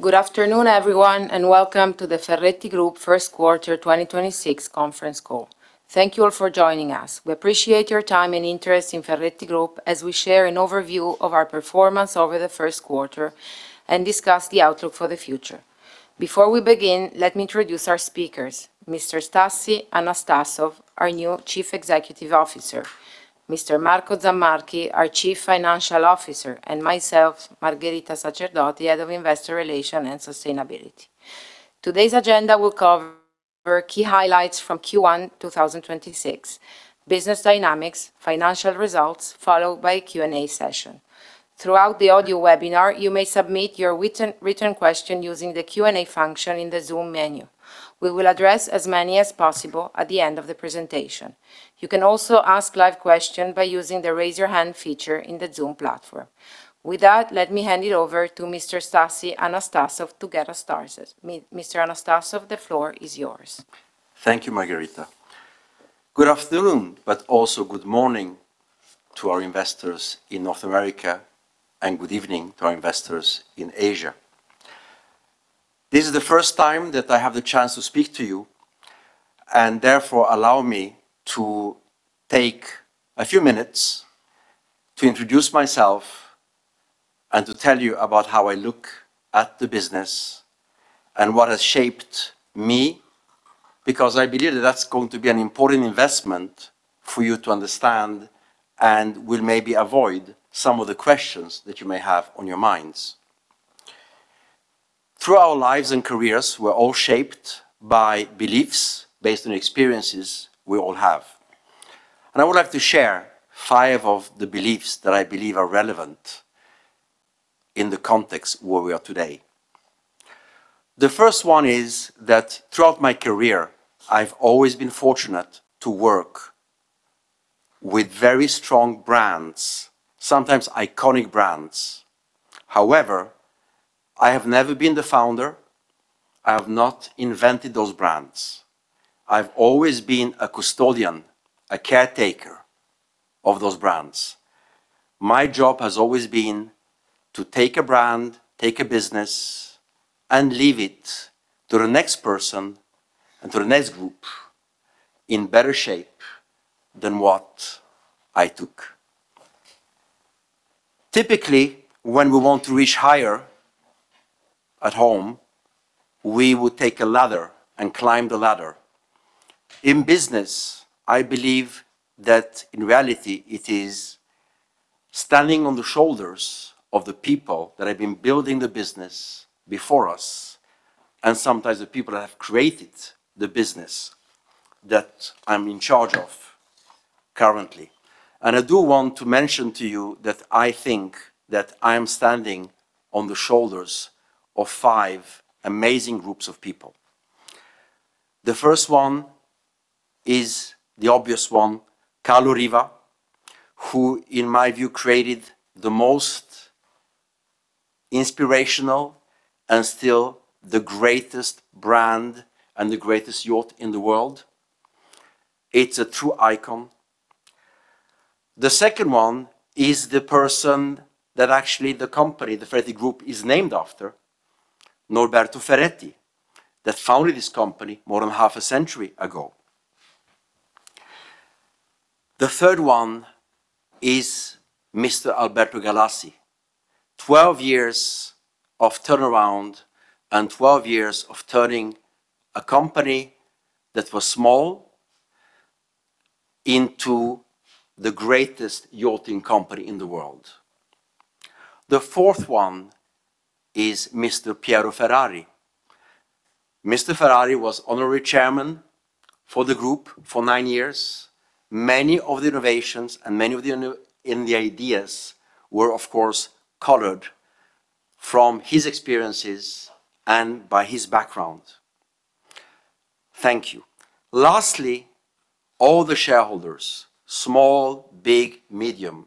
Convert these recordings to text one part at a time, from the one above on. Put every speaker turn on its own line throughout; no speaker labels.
Good afternoon, everyone, welcome to the Ferretti Group first quarter 2026 conference call. Thank you all for joining us. We appreciate your time and interest in Ferretti Group as we share an overview of our performance over the first quarter and discuss the outlook for the future. Before we begin, let me introduce our speakers, Mr. Stassi Anastassov, our new Chief Executive Officer, Mr. Marco Zammarchi, our Chief Financial Officer, and myself, Margherita Sacerdoti, Head of Investor Relations and Sustainability. Today's agenda will cover key highlights from Q1 2026, business dynamics, financial results, followed by a Q&A session. Throughout the audio webinar, you may submit your written question using the Q&A function in the Zoom menu. We will address as many as possible at the end of the presentation. You can also ask live question by using the Raise Your Hand feature in the Zoom platform. With that, let me hand it over to Mr. Stassi Anastassov to get us started. Mr. Anastassov, the floor is yours.
Thank you, Margherita. Good afternoon, good morning to our investors in North America, good evening to our investors in Asia. This is the first time that I have the chance to speak to you, therefore, allow me to take a few minutes to introduce myself and to tell you about how I look at the business and what has shaped me, because I believe that's going to be an important investment for you to understand and will maybe avoid some of the questions that you may have on your minds. Through our lives and careers, we're all shaped by beliefs based on experiences we all have. I would like to share five of the beliefs that I believe are relevant in the context where we are today. The first one is that throughout my career, I've always been fortunate to work with very strong brands, sometimes iconic brands. However, I have never been the founder. I have not invented those brands. I've always been a custodian, a caretaker of those brands. My job has always been to take a brand, take a business, and leave it to the next person and to the next group in better shape than what I took. Typically, when we want to reach higher at home, we would take a ladder and climb the ladder. In business, I believe that in reality, it is standing on the shoulders of the people that have been building the business before us and sometimes the people that have created the business that I'm in charge of currently. I do want to mention to you that I think that I am standing on the shoulders of 5 amazing groups of people. The first one is the obvious one, Carlo Riva, who in my view created the most inspirational and still the greatest brand and the greatest yacht in the world. It's a true icon. The second one is the person that actually the company, the Ferretti Group, is named after, Norberto Ferretti, that founded this company more than half a century ago. The third one is Mr. Alberto Galassi. 12 years of turnaround and 12 years of turning a company that was small into the greatest yachting company in the world. The fourth one is Mr. Piero Ferrari. Mr. Ferrari was honorary chairman for the group for nine years. Many of the innovations and many of the in the ideas were, of course, colored from his experiences and by his background. Thank you. Lastly, all the shareholders, small, big, medium,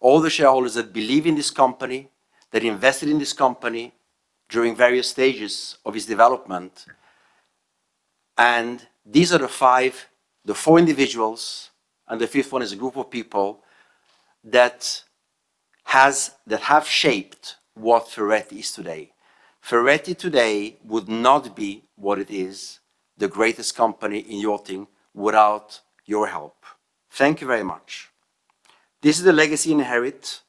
all the shareholders that believe in this company, that invested in this company during various stages of its development. These are the five, the four individuals, and the fifth one is a group of people that have shaped what Ferretti is today. Ferretti today would not be what it is, the greatest company in yachting, without your help. Thank you very much. This is a legacy inherit.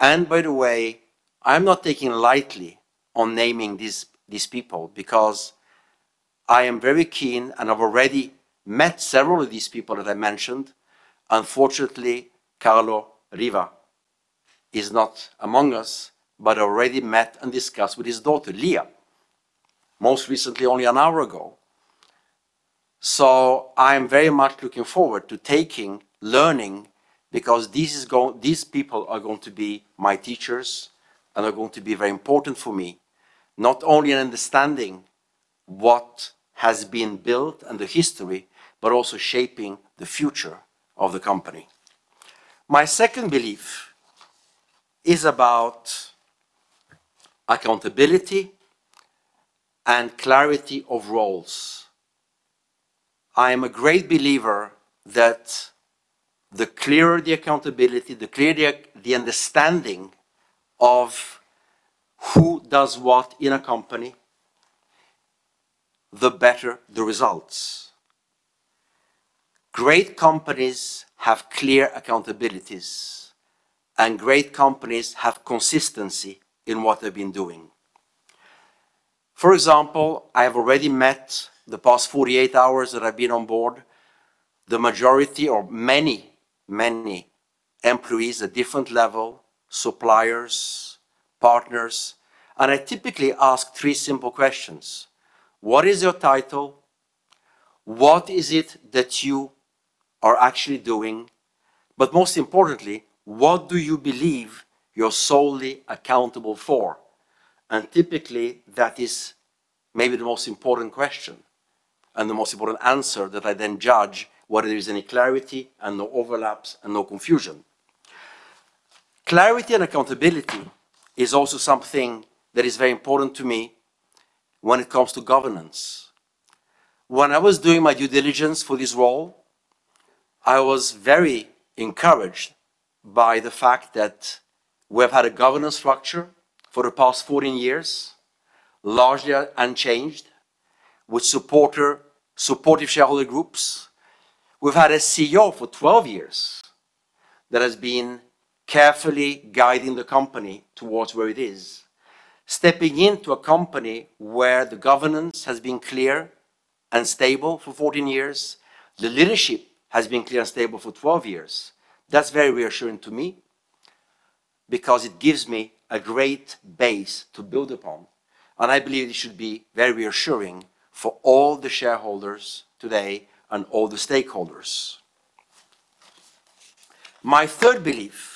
By the way, I'm not taking lightly on naming these people because I am very keen and I've already met several of these people that I mentioned. Unfortunately, Carlo Riva is not among us, but already met and discussed with his daughter, Lia, most recently only an hour ago. I am very much looking forward to taking, learning, because these people are going to be my teachers and are going to be very important for me, not only in understanding what has been built and the history, but also shaping the future of the company. My second belief is about accountability and clarity of roles. I am a great believer that the clearer the accountability, the clearer the understanding of who does what in a company, the better the results. Great companies have clear accountabilities, and great companies have consistency in what they've been doing. For example, I have already met, the past 48 hours that I've been on board, the majority or many, many employees at different level, suppliers, partners. I typically ask three simple questions: "What is your title? What is it that you are actually doing?" Most importantly, "What do you believe you're solely accountable for?" Typically, that is maybe the most important question and the most important answer that I then judge whether there is any clarity and no overlaps and no confusion. Clarity and accountability is also something that is very important to me when it comes to governance. When I was doing my due diligence for this role, I was very encouraged by the fact that we've had a governance structure for the past 14 years, largely unchanged, with supportive shareholder groups. We've had a CEO for 12 years that has been carefully guiding the company towards where it is. Stepping into a company where the governance has been clear and stable for 14 years, the leadership has been clear and stable for 12 years, that's very reassuring to me because it gives me a great base to build upon, and I believe it should be very reassuring for all the shareholders today and all the stakeholders. My third belief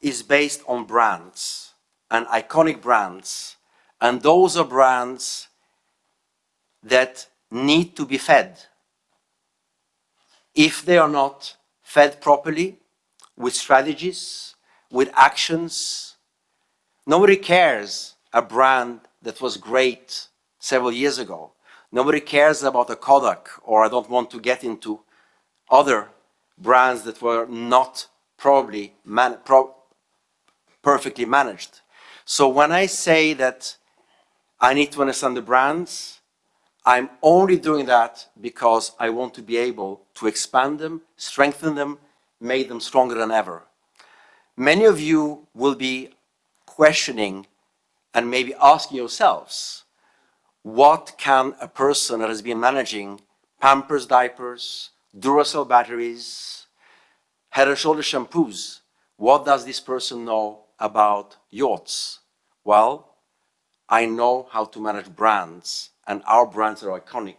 is based on brands and iconic brands. Those are brands that need to be fed. If they are not fed properly with strategies, with actions. Nobody cares a brand that was great several years ago. Nobody cares about a Kodak. I don't want to get into other brands that were not probably perfectly managed. When I say that I need to understand the brands, I'm only doing that because I want to be able to expand them, strengthen them, make them stronger than ever. Many of you will be questioning and maybe asking yourselves, "What can a person that has been managing Pampers diapers, Duracell batteries, Head & Shoulders shampoos, what does this person know about yachts?" Well, I know how to manage brands, and our brands are iconic,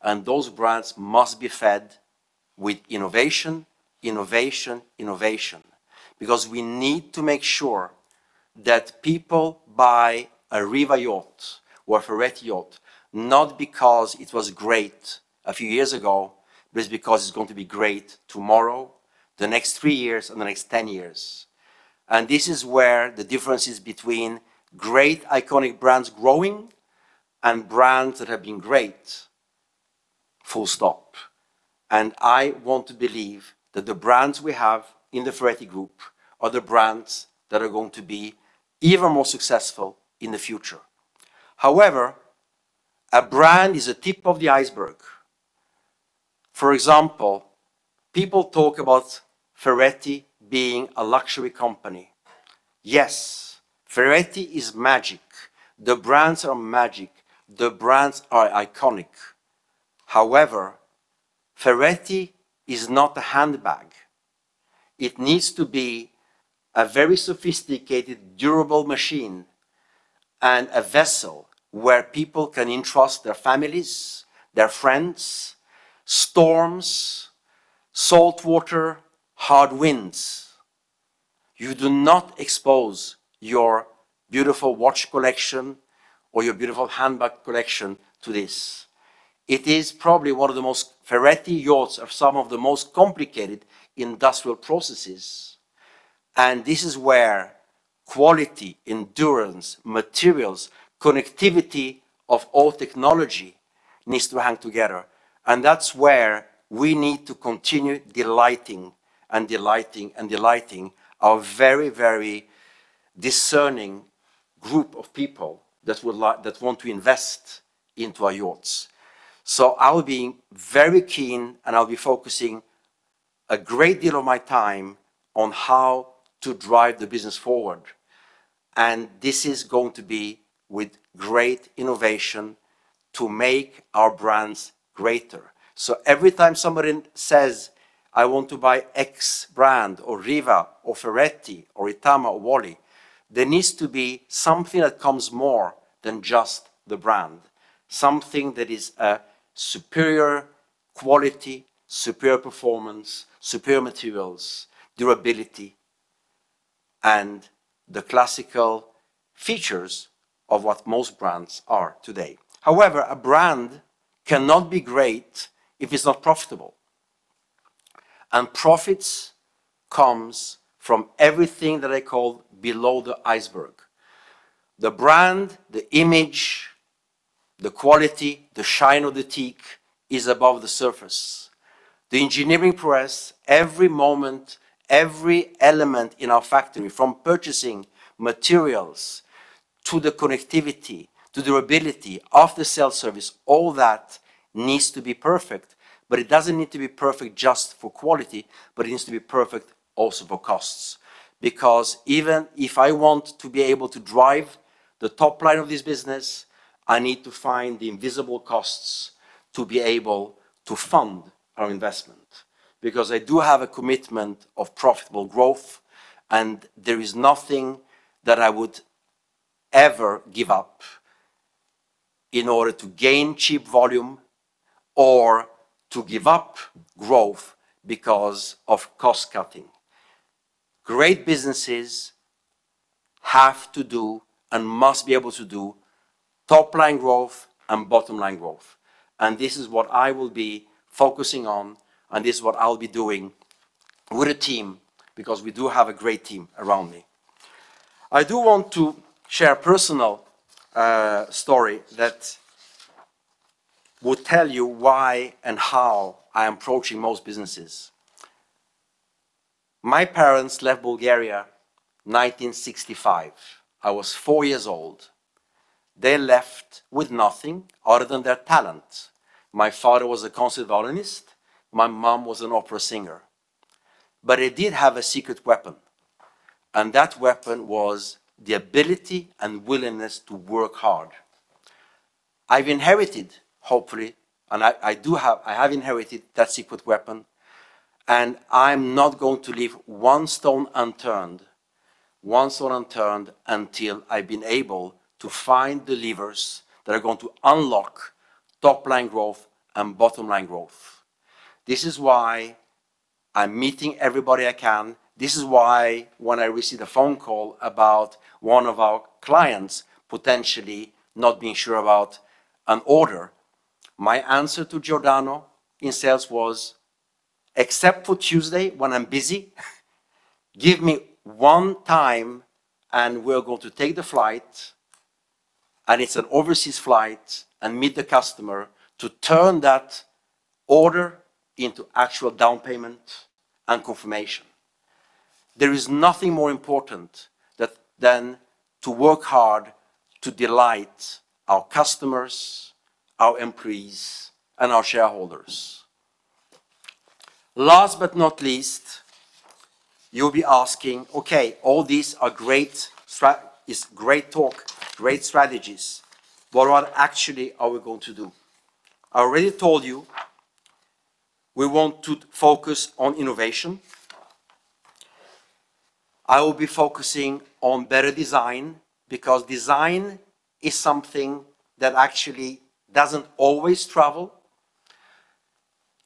and those brands must be fed with innovation, innovation because we need to make sure that people buy a Riva yacht or a Ferretti yacht, not because it was great a few years ago, but it's because it's going to be great tomorrow, the next three years, and the next 10 years. This is where the difference is between great iconic brands growing and brands that have been great, full stop. I want to believe that the brands we have in the Ferretti Group are the brands that are going to be even more successful in the future. However, a brand is a tip of the iceberg. For example, people talk about Ferretti being a luxury company. Yes, Ferretti is magic. The brands are magic. The brands are iconic. However, Ferretti is not a handbag. It needs to be a very sophisticated, durable machine and a vessel where people can entrust their families, their friends, storms, saltwater, hard winds. You do not expose your beautiful watch collection or your beautiful handbag collection to this. Ferretti Yachts are some of the most complicated industrial processes, and this is where quality, endurance, materials, connectivity of all technology needs to hang together. That's where we need to continue delighting and delighting and delighting our very, very discerning group of people that would like, that want to invest into our yachts. I'll be very keen, and I'll be focusing a great deal of my time on how to drive the business forward, and this is going to be with great innovation to make our brands greater. Every time somebody says, "I want to buy X brand," or Riva or Ferretti or Itama or Wally, there needs to be something that comes more than just the brand, something that is a superior quality, superior performance, superior materials, durability, and the classical features of what most brands are today. However, a brand cannot be great if it's not profitable. Profits comes from everything that I call below the iceberg. The brand, the image, the quality, the shine of the teak is above the surface. The engineering process, every moment, every element in our factory from purchasing materials to the connectivity, to durability, after-sale service, all that needs to be perfect, but it doesn't need to be perfect just for quality, but it needs to be perfect also for costs. Because even if I want to be able to drive the top line of this business, I need to find the invisible costs to be able to fund our investment. Because I do have a commitment of profitable growth, and there is nothing that I would ever give up in order to gain cheap volume or to give up growth because of cost-cutting. Great businesses have to do and must be able to do top-line growth and bottom-line growth. This is what I will be focusing on, and this is what I'll be doing with a team because we do have a great team around me. I do want to share a personal story that will tell you why and how I approach in most businesses. My parents left Bulgaria 1965. I was four years old. They left with nothing other than their talent. My father was a concert violinist, my mom was an opera singer. They did have a secret weapon, and that weapon was the ability and willingness to work hard. I've inherited, hopefully, and I have inherited that secret weapon, and I'm not going to leave one stone unturned until I've been able to find the levers that are going to unlock top-line growth and bottom-line growth. This is why I'm meeting everybody I can. This is why when I receive a phone call about one of our clients potentially not being sure about an order, my answer to Giordano in sales was, "Except for Tuesday when I'm busy, give me one time and we're going to take the flight," and it's an overseas flight, "and meet the customer to turn that order into actual down payment and confirmation." There is nothing more important that, than to work hard to delight our customers, our employees, and our shareholders. Last but not least, you'll be asking, "Okay, all these are great It's great talk, great strategies, but what actually are we going to do?" I already told you we want to focus on innovation. I will be focusing on better design because design is something that actually doesn't always travel.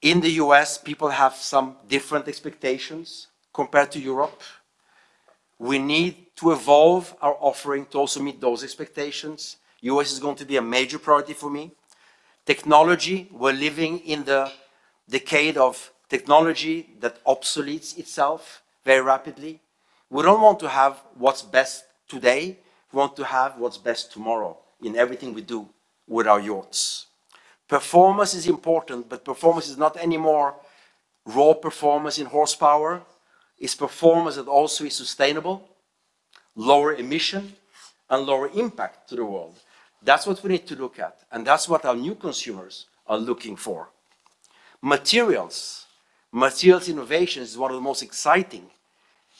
In the U.S., people have some different expectations compared to Europe. We need to evolve our offering to also meet those expectations. U.S. is going to be a major priority for me. Technology, we're living in the decade of technology that obsoletes itself very rapidly. We don't want to have what's best today. We want to have what's best tomorrow in everything we do with our yachts. Performance is important, but performance is not anymore raw performance in horsepower. It's performance that also is sustainable, lower emission, and lower impact to the world. That's what we need to look at, and that's what our new consumers are looking for. Materials. Materials innovation is one of the most exciting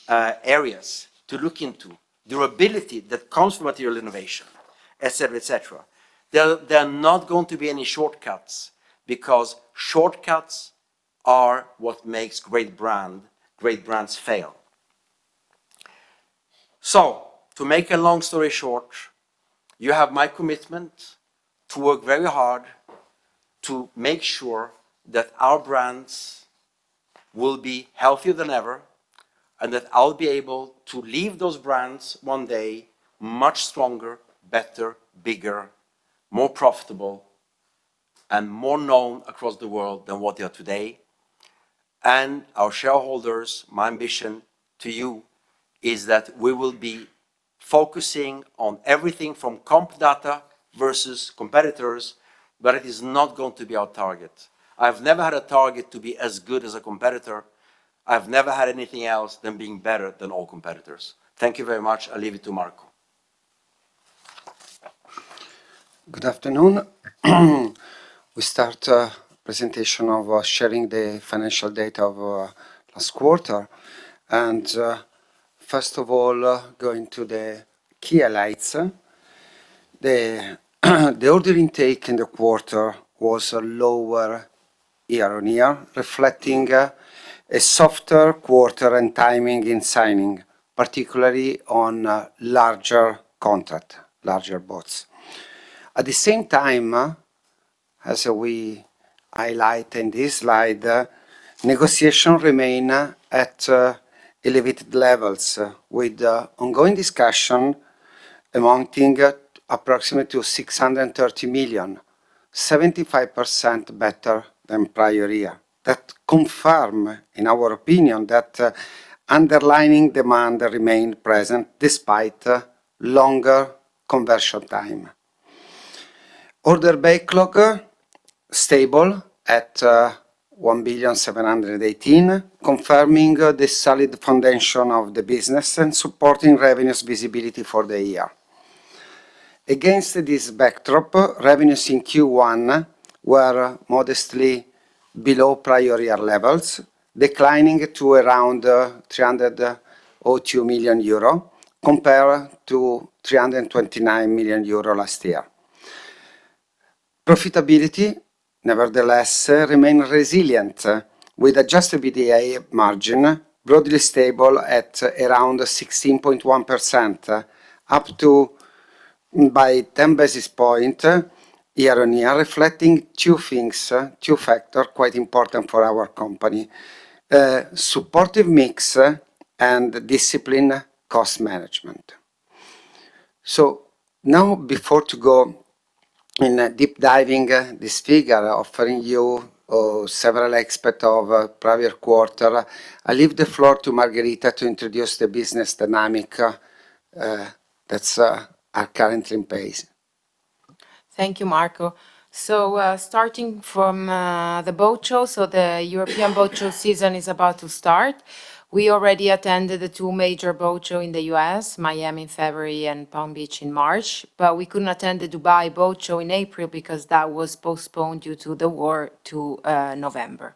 areas to look into. Durability that comes from material innovation, et cetera, et cetera. There are not going to be any shortcuts because shortcuts are what makes great brand, great brands fail. To make a long story short, you have my commitment to work very hard to make sure that our brands will be healthier than ever and that I'll be able to leave those brands one day much stronger, better, bigger, more profitable, and more known across the world than what they are today. Our shareholders, my ambition to you is that we will be focusing on everything from comp data versus competitors, but it is not going to be our target. I've never had a target to be as good as a competitor. I've never had anything else than being better than all competitors. Thank you very much. I leave it to Marco.
Good afternoon. We start presentation of sharing the financial data of last quarter. First of all, going to the key highlights. The order intake in the quarter was lower year-on-year, reflecting a softer quarter and timing in signing, particularly on larger contract, larger boats. At the same time, as we highlight in this slide, negotiation remain at elevated levels with ongoing discussion amounting at approximately to 630 million. 75% better than prior year. That confirm, in our opinion, that underlying demand remain present despite longer conversion time. Order backlog stable at 1.718 billion, confirming the solid foundation of the business and supporting revenues visibility for the year. Against this backdrop, revenues in Q1 were modestly below prior year levels, declining to around 302 million euro, compared to 329 million euro last year. Profitability, nevertheless, remain resilient, with adjusted EBITDA margin broadly stable at around 16.1%, up to by 10 basis points year-on-year, reflecting two things, two factor quite important for our company: supportive mix and discipline cost management. Now before to go in, deep diving, this figure offering you, several aspects of prior quarter, I leave the floor to Margherita to introduce the business dynamic, that are currently in place.
Thank you, Marco. Starting from the boat show, the European boat show season is about to start. We already attended the two major boat show in the U.S., Miami in February and Palm Beach in March. We couldn't attend the Dubai boat show in April because that was postponed due to the war to November.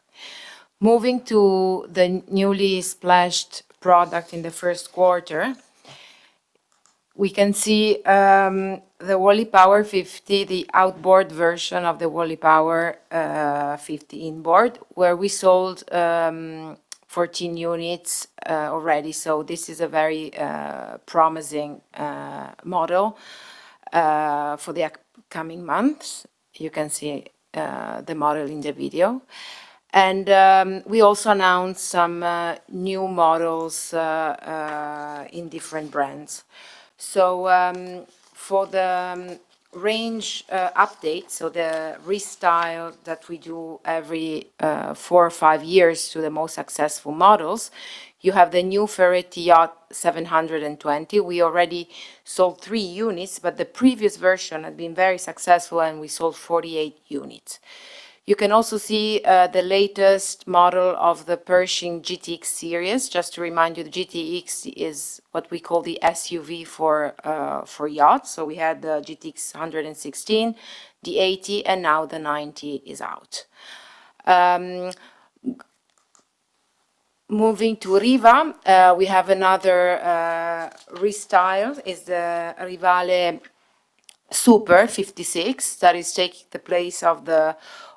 Moving to the newly splashed product in the first quarter, we can see the wallypower50, the outboard version of the wallypower50 inboard, where we sold 14 units already. This is a very promising model for the upcoming months. You can see the model in the video. We also announced some new models in different brands. For the range update, the restyle that we do every four or five years to the most successful models, you have the new Ferretti Yachts 720. We already sold three units, but the previous version had been very successful, and we sold 48 units. You can also see the latest model of the Pershing GTX series. Just to remind you, the GTX is what we call the SUV for yachts. We had the GTX116, the 80, and now the 90 is out. Moving to Riva, we have another restyle, is the Rivale 56' Super that is taking the place of the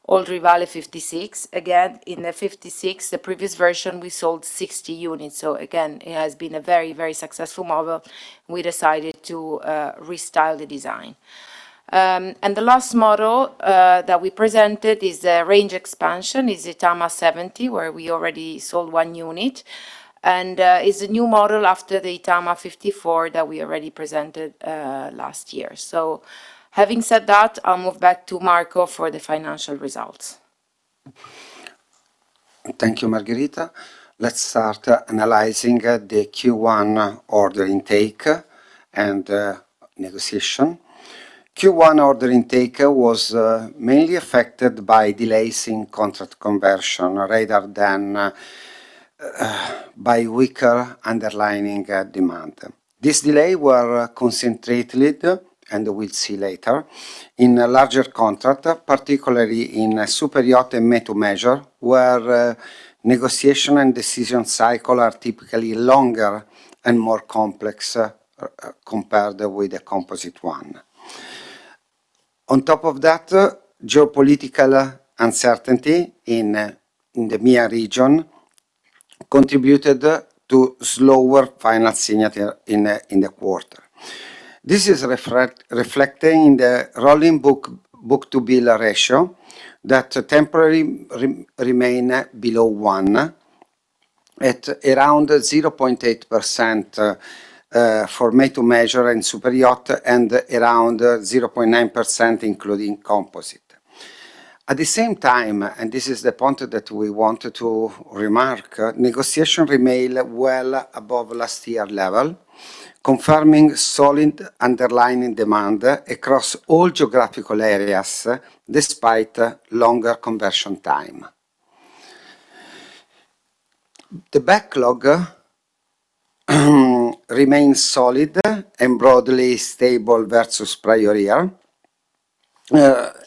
old Rivale 56'. Again, in the 56', the previous version, we sold 60 units. Again, it has been a very, very successful model. We decided to restyle the design. The last model that we presented is a range expansion, is the Itama 70, where we already sold one unit. It's a new model after the Itama 54 that we already presented last year. Having said that, I'll move back to Marco for the financial results.
Thank you, Margherita. Let's start analyzing the Q1 order intake and negotiation. Q1 order intake was mainly affected by delays in contract conversion rather than by weaker underlying demand. This delay were concentrated, and we'll see later, in a larger contract, particularly in Superyacht and Made-To-Measure, where negotiation and decision cycle are typically longer and more complex compared with the Composite one. On top of that, geopolitical uncertainty in the MEA region contributed to slower final signature in the quarter. This is reflecting the rolling book-to-bill ratio that temporarily remain below one at around 0.8% for Made-To-Measure and Superyacht and around 0.9% including Composite. At the same time, this is the point that we wanted to remark, negotiation remain well above last year level, confirming solid underlying demand across all geographical areas despite longer conversion time. The backlog remains solid and broadly stable versus prior year,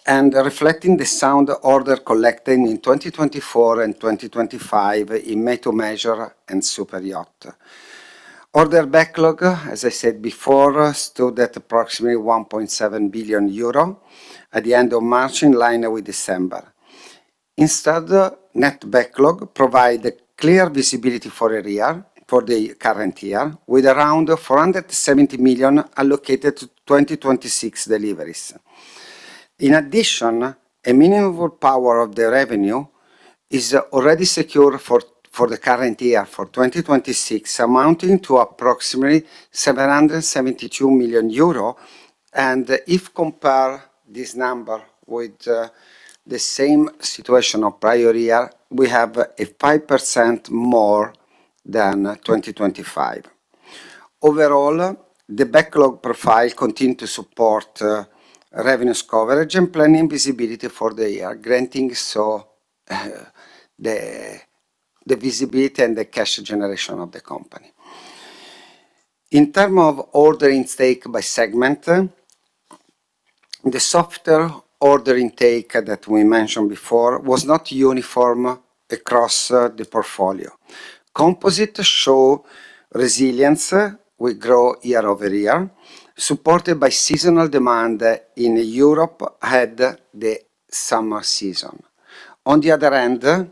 and reflecting the sound order collecting in 2024 and 2025 in Made-To-Measure and Superyacht. order backlog, as I said before, stood at approximately 1.7 billion euro at the end of March in line with December. Instead, net backlog provide clear visibility for a year, for the current year, with around 470 million allocated to 2026 deliveries. In addition, a minimum power of the revenue is already secure for the current year, for 2026, amounting to approximately 772 million euro. If compare this number with the same situation of prior year, we have a 5% more than 2025. The backlog profile continue to support revenues coverage and planning visibility for the year, granting so the visibility and the cash generation of the company. In terms of order intake by segment, the softer order intake that we mentioned before was not uniform across the portfolio. Composite show resilience will grow year-over-year, supported by seasonal demand in Europe at the summer season. On the other hand,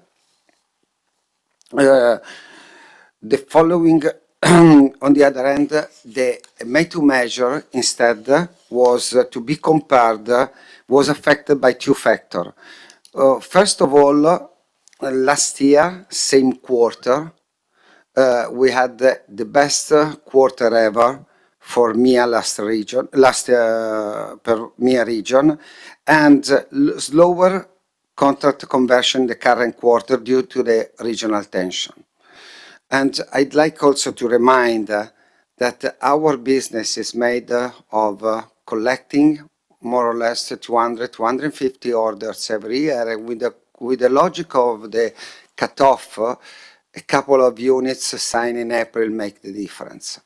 the Made-To-Measure instead was to be compared, was affected by two factors. First of all, last year, same quarter, we had the best quarter ever for MEA last region, per MEA region and slower contract conversion in the current quarter due to the regional tension. I'd like also to remind that our business is made of collecting more or less 250 orders every year. With the logic of the cutoff, a couple of units signed in April make the difference.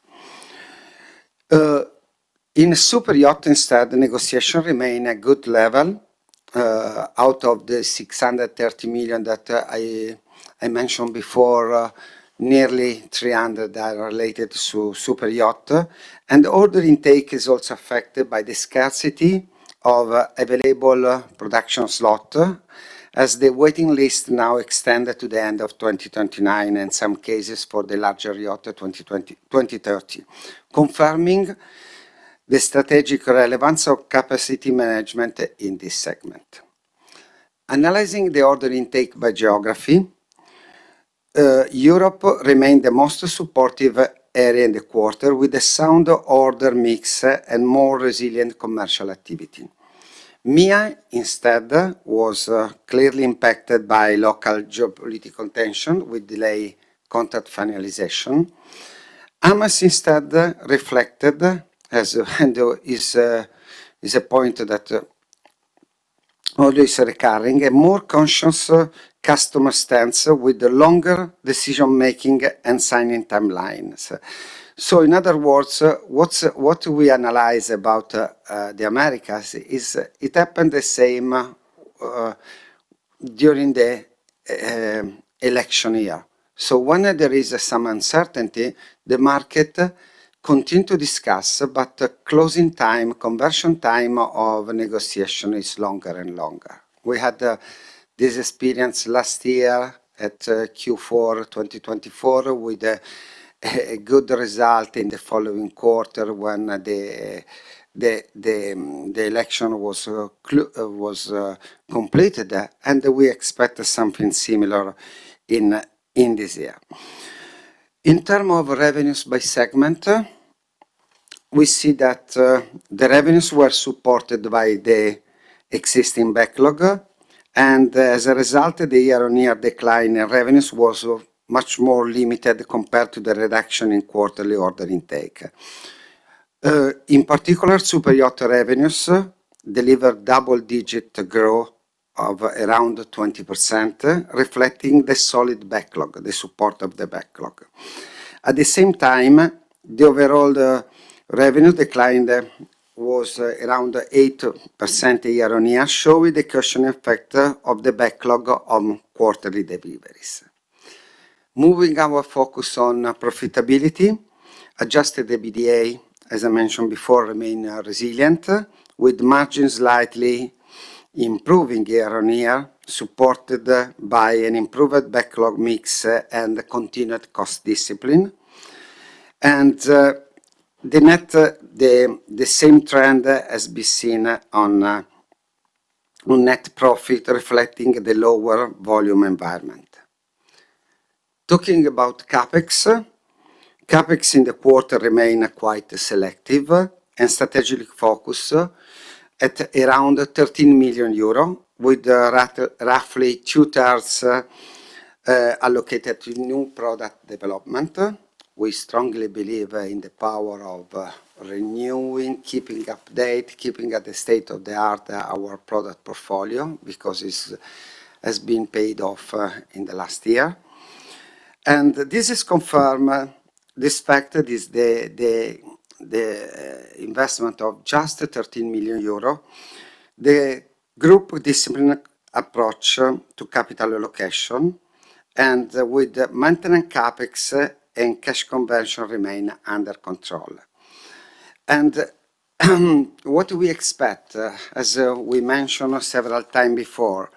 Superyacht instead, the negotiation remain at good level. Out of the 630 million that I mentioned before, nearly 300 million are related to Superyacht. Order intake is also affected by the scarcity of available production slot, as the waiting list now extended to the end of 2029, in some cases for the larger yacht, 2020, 2030, confirming the strategic relevance of capacity management in this segment. Analyzing the order intake by geography, Europe remained the most supportive area in the quarter, with a sound order mix and more resilient commercial activity. MEA instead was clearly impacted by local geopolitical tension with delay contract finalization. AMAS instead reflected, is a point that always recurring, a more conscious customer stance with the longer decision-making and signing timelines. In other words, what we analyze about the Americas is it happened the same during the election year. When there is some uncertainty, the market continue to discuss, but the closing time, conversion time of negotiation is longer and longer. We had this experience last year at Q4 2024 with a good result in the following quarter when the election was completed. We expect something similar in this year. In term of revenues by segment, we see that the revenues were supported by the existing backlog. As a result, the year-on-year decline in revenues was much more limited compared to the reduction in quarterly order intake. In Superyacht revenues delivered double-digit growth of around 20%, reflecting the solid backlog, the support of the backlog. At the same time, the overall revenue decline was around 8% year-on-year, showing the cushion effect of the backlog on quarterly deliveries. Moving our focus on profitability, adjusted EBITDA, as I mentioned before, remain resilient, with margins slightly improving year-on-year, supported by an improved backlog mix and continued cost discipline. The same trend has been seen on net profit, reflecting the lower volume environment. Talking about CapEx in the quarter remain quite selective and strategically focused at around 13 million euro, with roughly 2/3 allocated to new product development. We strongly believe in the power of renewing, keeping up to date, keeping at the state of the art our product portfolio because it has been paid off in the last year. This is confirm this fact is the investment of just 13 million euro, the group disciplined approach to capital allocation and with maintenance CapEx and cash conversion remain under control. What do we expect? As we mentioned several time before.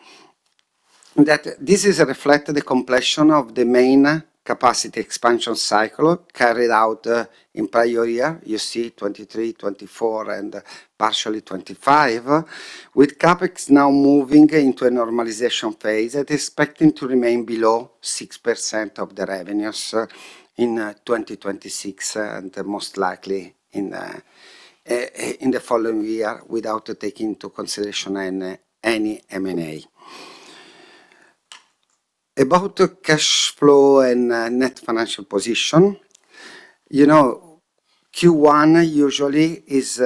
That this is reflect the completion of the main capacity expansion cycle carried out in prior year. You see 2023, 2024, and partially 2025. With CapEx now moving into a normalization phase and expecting to remain below 6% of the revenues in 2026, and most likely in the following year without taking into consideration any M&A. About cash flow and net financial position, you know, Q1 usually is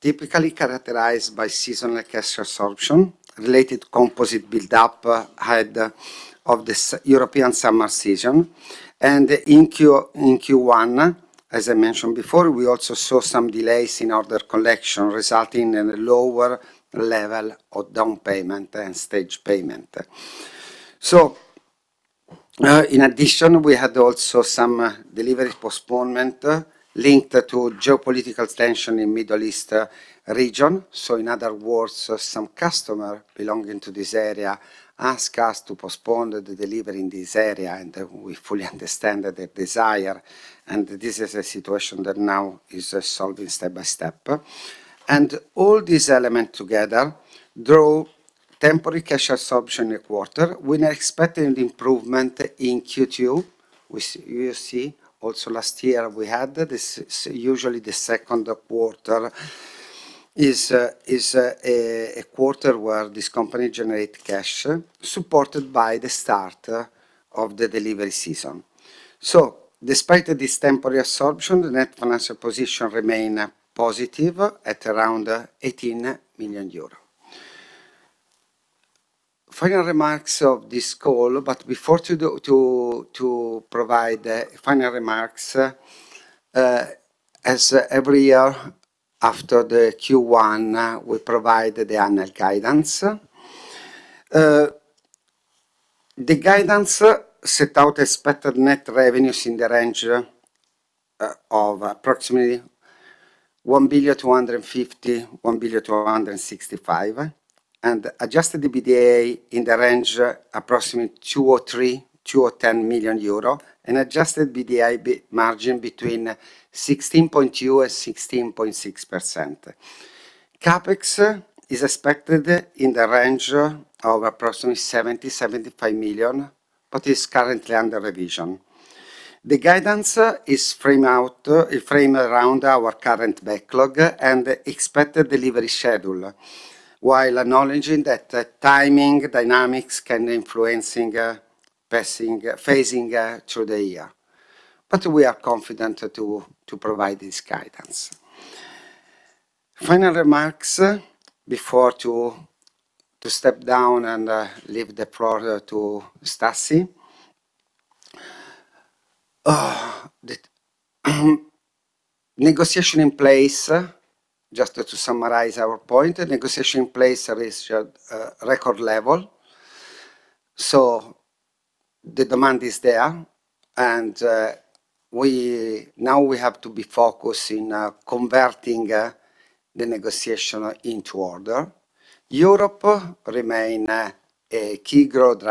typically characterized by seasonal cash absorption related Composite build-up ahead of the European summer season. In Q1, as I mentioned before, we also saw some delays in order collection, resulting in a lower level of down payment and stage payment. In addition, we had also some delivery postponement linked to geopolitical tension in Middle East region. In other words, some customer belonging to this area ask us to postpone the delivery in this area, we fully understand their desire, and this is a situation that now is solving step by step. All this element together drove temporary cash absorption in quarter. We are expecting an improvement in Q2, which you will see also last year we had. This is usually the second quarter is a quarter where this company generate cash, supported by the start of the delivery season. Despite this temporary absorption, the net financial position remained positive at around 18 million euro. Final remarks of this call, before to provide the final remarks, as every year after the Q1, we provide the annual guidance. The guidance set out expected net revenues in the range of approximately 1.25 billion-1.265 billion, and adjusted EBITDA in the range approximately 203 million-210 million euro, and adjusted EBITDA margin between 16.2%-16.6%. CapEx is expected in the range of approximately 70 million-75 million, but is currently under revision. The guidance is framed around our current backlog and expected delivery schedule, while acknowledging that timing dynamics can influencing phasing through the year. We are confident to provide this guidance. Final remarks before to step down and leave the floor to Stassi. The negotiation in place, just to summarize our point, the negotiation in place is at record level. The demand is there, and now we have to be focused in converting the negotiation into order. Europe remain a key growth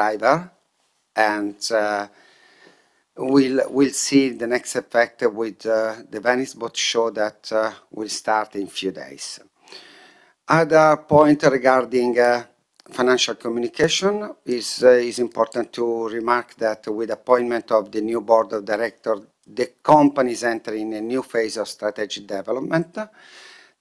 driver, and we'll see the next effect with the Venice Boat Show that will start in few days. Other point regarding financial communication is important to remark that with appointment of the new board of directors, the company is entering a new phase of strategic development.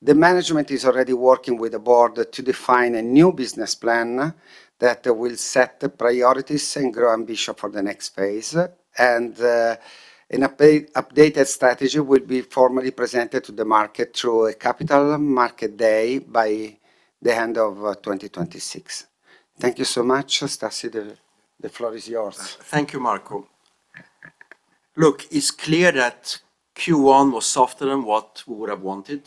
The management is already working with the board to define a new business plan that will set the priorities and grow ambition for the next phase. An updated strategy will be formally presented to the market through a Capital Markets Day by the end of 2026. Thank you so much. Stassi, the floor is yours.
Thank you, Marco. It's clear that Q1 was softer than what we would have wanted.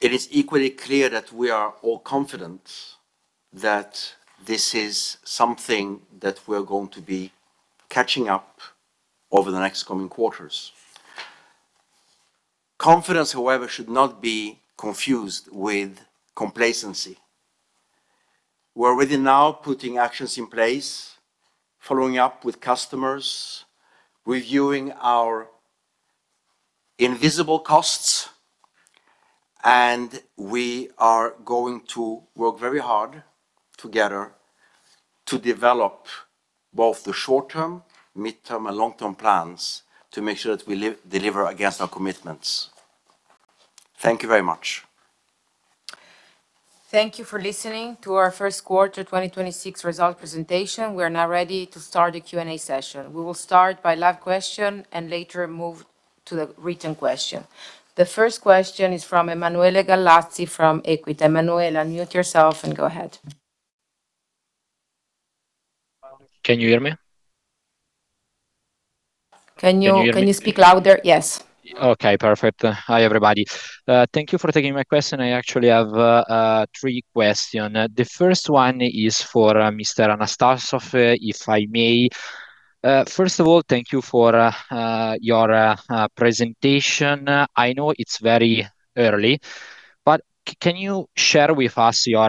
It is equally clear that we are all confident that this is something that we're going to be catching up over the next coming quarters. Confidence, however, should not be confused with complacency. We're within now putting actions in place, following up with customers, reviewing our invisible costs, and we are going to work very hard together to develop both the short-term, mid-term, and long-term plans to make sure that we deliver against our commitments. Thank you very much.
Thank you for listening to our first quarter 2026 result presentation. We are now ready to start the Q&A session. We will start by live question and later move to the written question. The first question is from Emanuele Gallazzi from Equita. Emanuele, unmute yourself and go ahead.
Can you hear me?
Can you-
Can you hear me now?
Can you speak louder? Yes.
Okay, perfect. Hi, everybody. Thank you for taking my question. I actually have three questions. The first one is for Mr. Anastassov, if I may. First of all, thank you for your presentation. I know it's very early, but can you share with us your,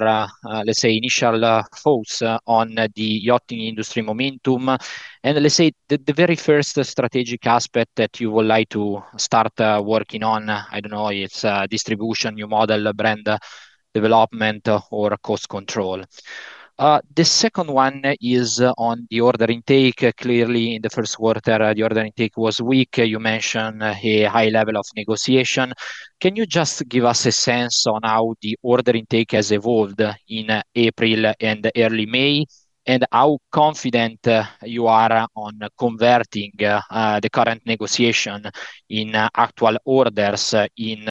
let's say, initial thoughts on the yachting industry momentum, and let's say the very first strategic aspect that you would like to start working on? I don't know, it's distribution, new model, brand development, or cost control. The second one is on the order intake. Clearly, in the first quarter, the order intake was weak. You mentioned a high level of negotiation. Can you just give us a sense on how the order intake has evolved in April and early May, and how confident you are on converting the current negotiation in actual orders in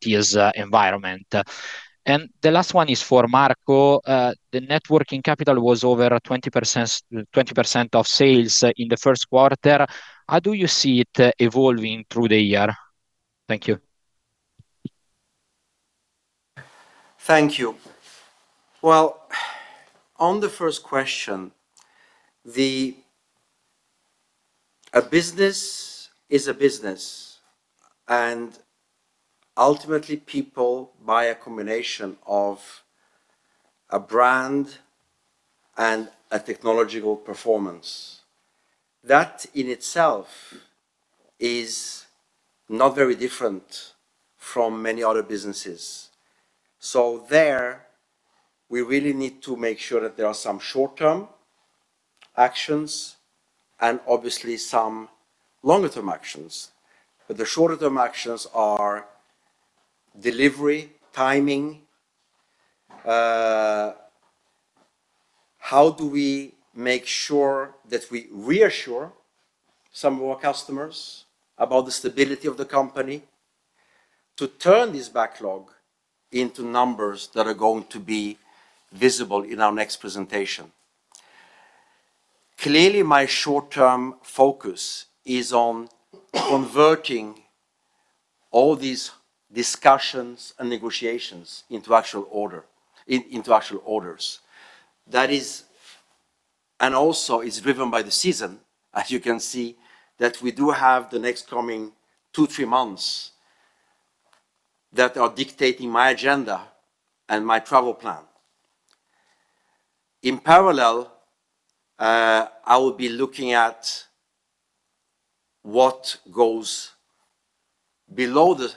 this environment? The last one is for Marco. The net working capital was over 20% of sales in the first quarter. How do you see it evolving through the year? Thank you.
Thank you. Well, on the first question, a business is a business. Ultimately, people buy a combination of a brand and a technological performance. That in itself is not very different from many other businesses. There we really need to make sure that there are some short-term actions and obviously some longer-term actions. The shorter-term actions are delivery, timing, how do we make sure that we reassure some of our customers about the stability of the company to turn this backlog into numbers that are going to be visible in our next presentation. Clearly, my short-term focus is on converting all these discussions and negotiations into actual orders. It also is driven by the season, as you can see, that we do have the next coming two, three months that are dictating my agenda and my travel plan. In parallel, I will be looking at what goes below the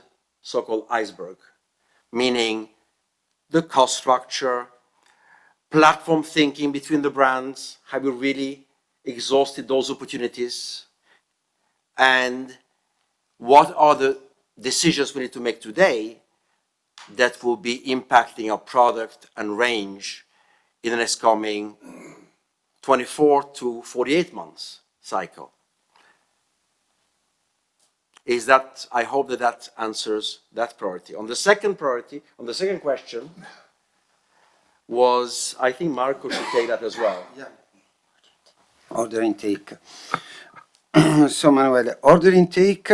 so-called iceberg, meaning the cost structure, platform thinking between the brands. Have we really exhausted those opportunities? What are the decisions we need to make today that will be impacting our product and range in the next coming 24-48 months cycle? I hope that that answers that priority. On the second priority, on the second question was, I think Marco should take that as well.
Yeah. Order intake. Emanuele, order intake,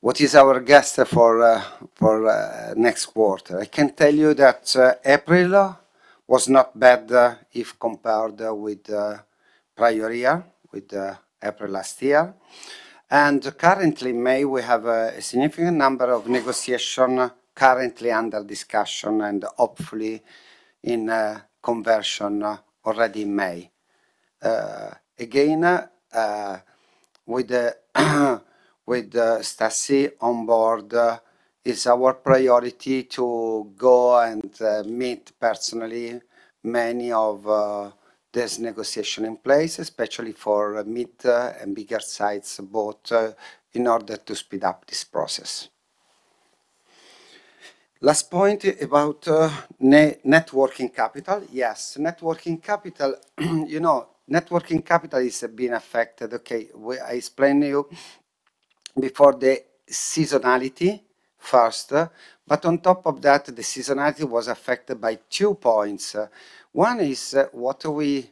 what is our guess for for next quarter? I can tell you that April was not bad if compared with prior year, with April last year. Currently, May, we have a significant number of negotiation currently under discussion and hopefully in conversion already in May. Again, with Stassi on board, it's our priority to go and meet personally many of this negotiation in place, especially for mid and bigger-size boat in order to speed up this process. Last point about net working capital. Yes, net working capital, you know, net working capital is being affected. Okay, I explained to you before the seasonality first. On top of that, the seasonality was affected by two points. One is what we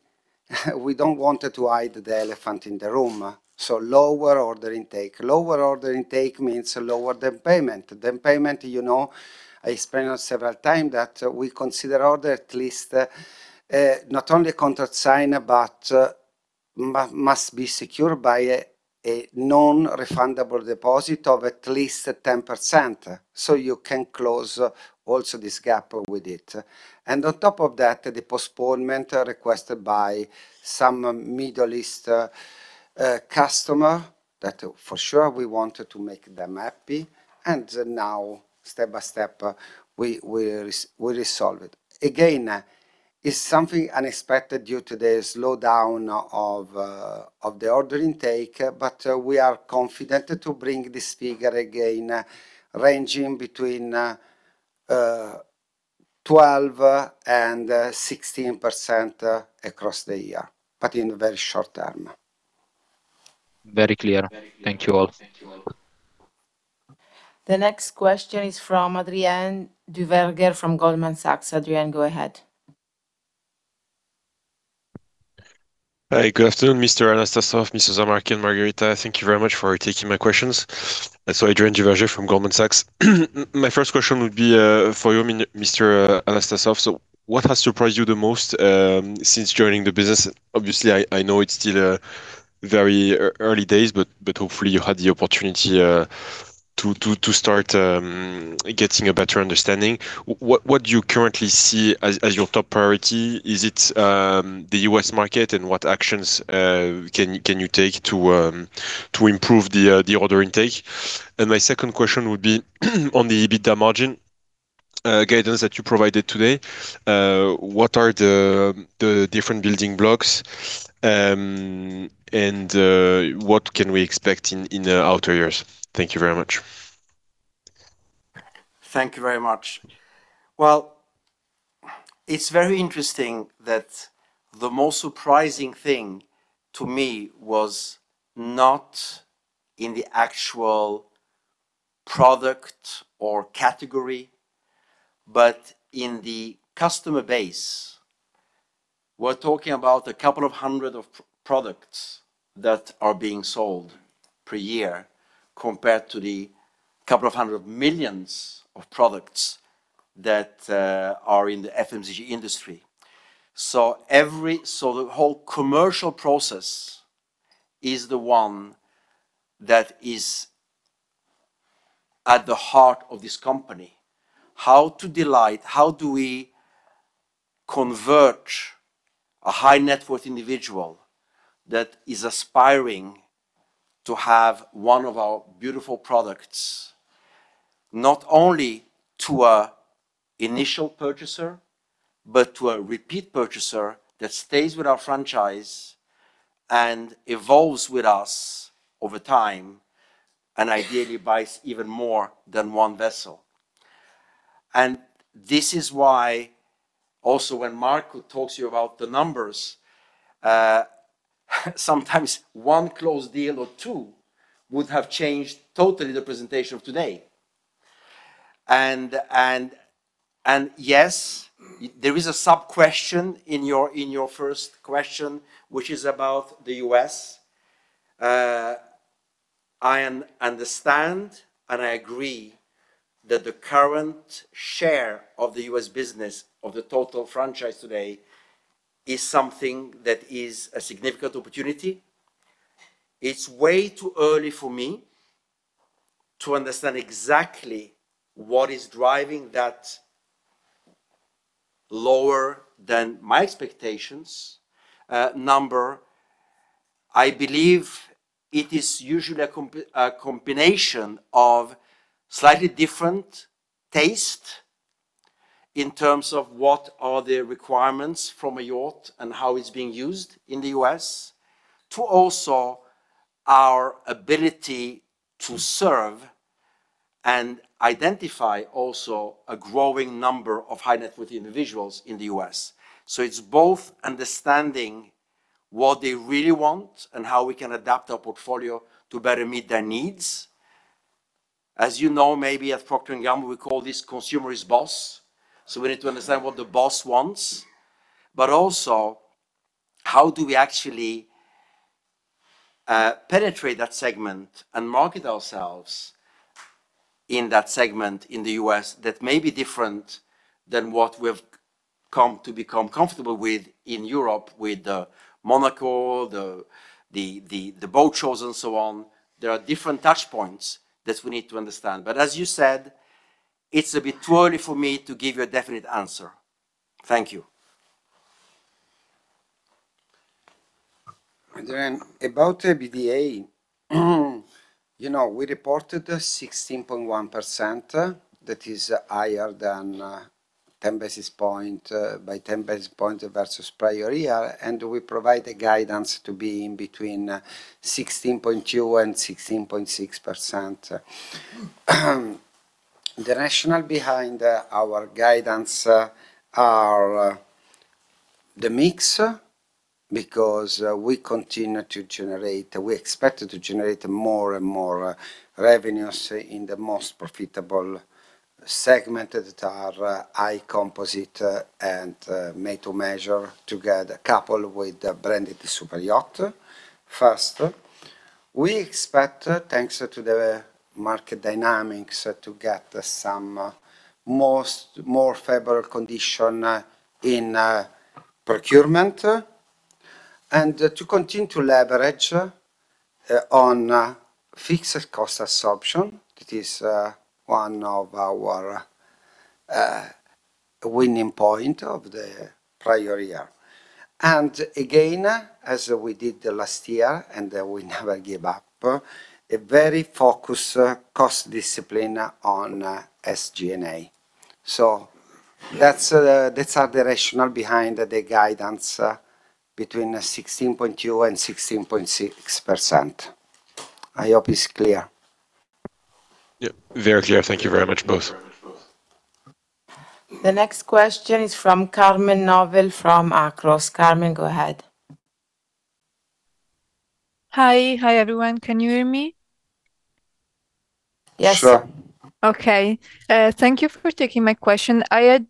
don't want to hide the elephant in the room. Lower order intake. Lower order intake means lower down payment. Down payment, you know, I explained several time that we consider order at least not only contract sign, but must be secured by a non-refundable deposit of at least 10%. You can close also this gap with it. On top of that, the postponement requested by some Middle East customer that for sure we wanted to make them happy. Now step by step, we resolve it. Again, it's something unexpected due to the slowdown of the order intake, but we are confident to bring this figure again ranging between 12% and 16% across the year, but in very short term.
Very clear. Thank you all.
The next question is from Adrien Duverger from Goldman Sachs. Adrien, go ahead.
Hi, good afternoon, Mr. Anastassov, Mr. Zammarchi, and Margherita. Thank you very much for taking my questions. Adrien Duverger from Goldman Sachs. My first question would be for you, Mr. Anastassov. What has surprised you the most since joining the business? Obviously, I know it's still very early days, but hopefully you had the opportunity to start getting a better understanding, what do you currently see as your top priority? Is it the U.S. market, and what actions can you take to improve the order intake? My second question would be on the EBITDA margin guidance that you provided today. What are the different building blocks, and what can we expect in the outer years? Thank you very much.
Thank you very much. Well, it's very interesting that the most surprising thing to me was not in the actual product or category, but in the customer base. We're talking about a couple of 100 products that are being sold per year compared to the couple of 100 million products that are in the FMCG industry. The whole commercial process is the one that is at the heart of this company. How to delight, how do we convert a high-net-worth individual that is aspiring to have one of our beautiful products, not only to an initial purchaser, but to a repeat purchaser that stays with our franchise and evolves with us over time, and ideally buys even more than one vessel. This is why also when Marco talks to you about the numbers, sometimes one closed deal or two would have changed totally the presentation of today. Yes, there is a sub-question in your first question, which is about the U.S. I understand and I agree that the current share of the U.S. business of the total franchise today is something that is a significant opportunity. It's way too early for me to understand exactly what is driving that lower than my expectations number. I believe it is usually a combination of slightly different taste in terms of what are the requirements from a yacht and how it's being used in the U.S. to also our ability to serve and identify also a growing number of high-net-worth individuals in the U.S. It's both understanding what they really want and how we can adapt our portfolio to better meet their needs. As you know, maybe at Procter & Gamble, we call this consumerist boss. We need to understand what the boss wants, but also how do we actually penetrate that segment and market ourselves in that segment in the U.S. that may be different than what we've come to become comfortable with in Europe, with the Monaco, the boat shows and so on. There are different touch points that we need to understand. As you said, it's a bit too early for me to give you a definite answer. Thank you.
About the EBITDA, you know, we reported 16.1%. That is higher than 10 basis points by 10 basis points versus prior year, and we provide the guidance to be in between 16.2% and 16.6%. The rationale behind our guidance are the mix, because we expect to generate more and more revenues in the most profitable segment that are high Composite and Made-To-Measure together coupled with the Superyacht. first, we expect, thanks to the market dynamics, to get some more favorable condition in procurement, and to continue to leverage on fixed cost assumption. That is one of our winning points of the prior year. Again, as we did the last year, and we never give up, a very focused cost discipline on SG&A. That's our rationale behind the guidance between 16.2% and 16.6%. I hope it's clear.
Yeah. Very clear. Thank you very much, both.
The next question is from Carmen Novel from Akros. Carmen, go ahead.
Hi. Hi, everyone. Can you hear me?
Yes.
Sure.
Okay. Thank you for taking my question. I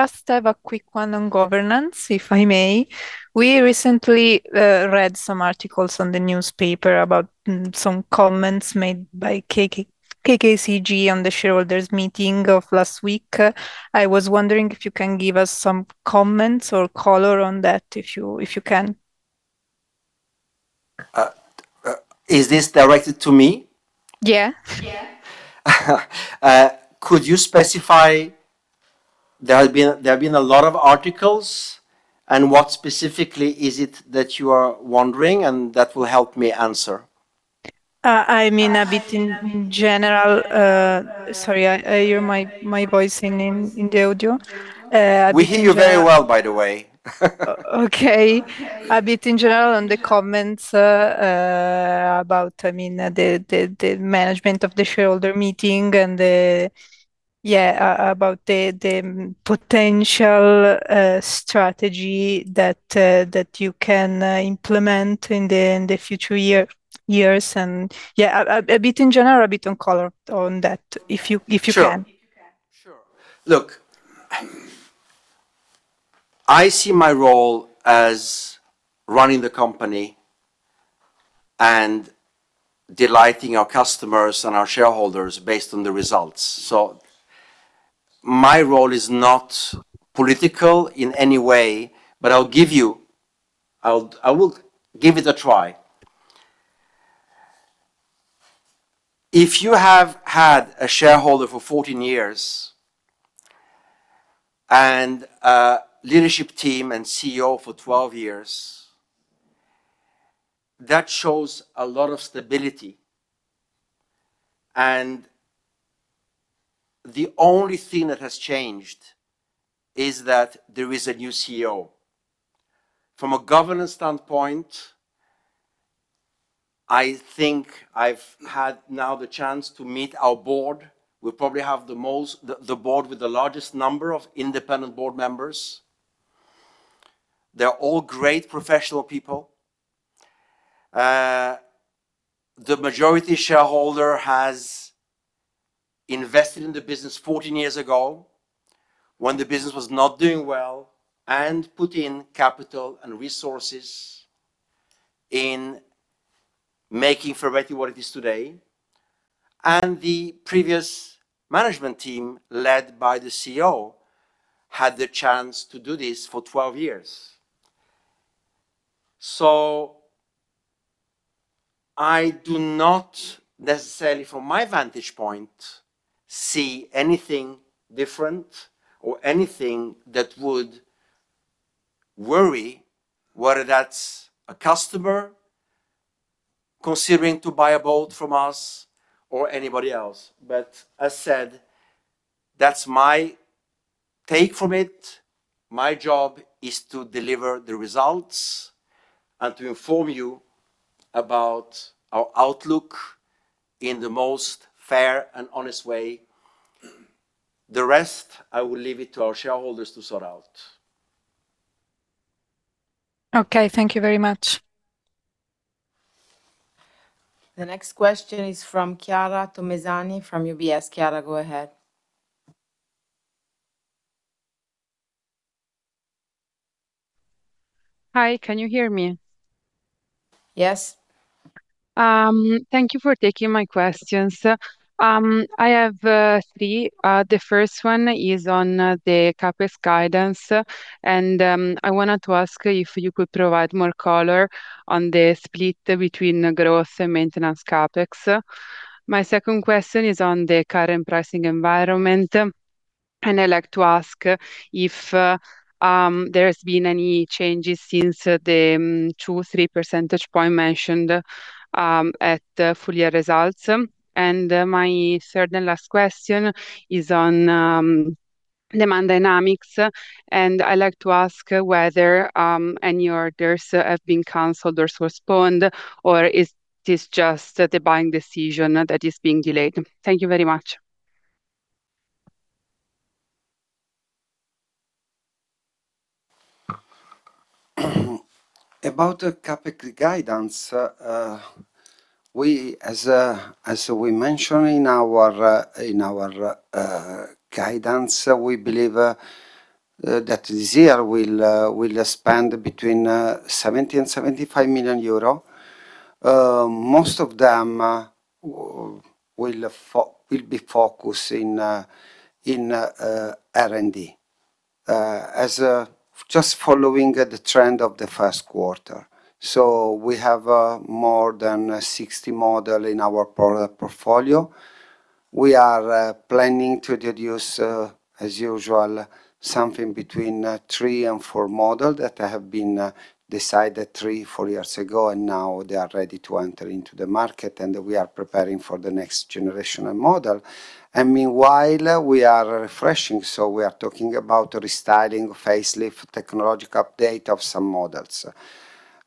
just have a quick one on governance, if I may. We recently read some articles on the newspaper about some comments made by KKCG on the shareholders meeting of last week. I was wondering if you can give us some comments or color on that, if you can.
Is this directed to me?
Yeah.
Could you specify? There have been a lot of articles. What specifically is it that you are wondering? That will help me answer.
I mean a bit in general. sorry, I hear my voice in the audio.
We hear you very well, by the way.
Okay. A bit in general on the comments, about, I mean, the, the management of the shareholder meeting and the about the potential strategy that you can implement in the future years and, yeah, a bit in general, a bit on color on that if you-
Sure.
If you can.
Sure. Look, I see my role as running the company and delighting our customers and our shareholders based on the results. My role is not political in any way, but I will give it a try. If you have had a shareholder for 14 years and a leadership team and CEO for 12 years, that shows a lot of stability. The only thing that has changed is that there is a new CEO. From a governance standpoint, I think I've had now the chance to meet our board. We probably have the most the board with the largest number of independent board members. They're all great professional people. The majority shareholder has invested in the business 14 years ago when the business was not doing well and put in capital and resources in making Ferretti what it is today. The previous management team, led by the CEO, had the chance to do this for 12 years. I do not necessarily, from my vantage point, see anything different or anything that would worry, whether that's a customer considering to buy a boat from us or anybody else. As said, that's my take from it. My job is to deliver the results and to inform you about our outlook in the most fair and honest way. The rest, I will leave it to our shareholders to sort out.
Okay, thank you very much.
The next question is from Chiara Tomesani from UBS. Chiara, go ahead.
Hi, can you hear me?
Yes.
Thank you for taking my questions. I have three. The first one is on the CapEx guidance, and I wanted to ask if you could provide more color on the split between growth and maintenance CapEx. My second question is on the current pricing environment, and I'd like to ask if there has been any changes since the 2, 3 percentage point mentioned at the full year results. My third and last question is on demand dynamics, and I'd like to ask whether any orders have been canceled or postponed, or is this just the buying decision that is being delayed? Thank you very much.
About the CapEx guidance, we, as we mentioned in our guidance, we believe that this year we will spend between 70 million and 75 million euro. Most of them will be focused in R&D, as just following the trend of the first quarter. We have more than 60 model in our portfolio. We are planning to introduce, as usual, something between three and four model that have been decided three, four years ago, and now they are ready to enter into the market, and we are preparing for the next generational model. Meanwhile, we are refreshing, so we are talking about restyling, facelift, technological update of some models.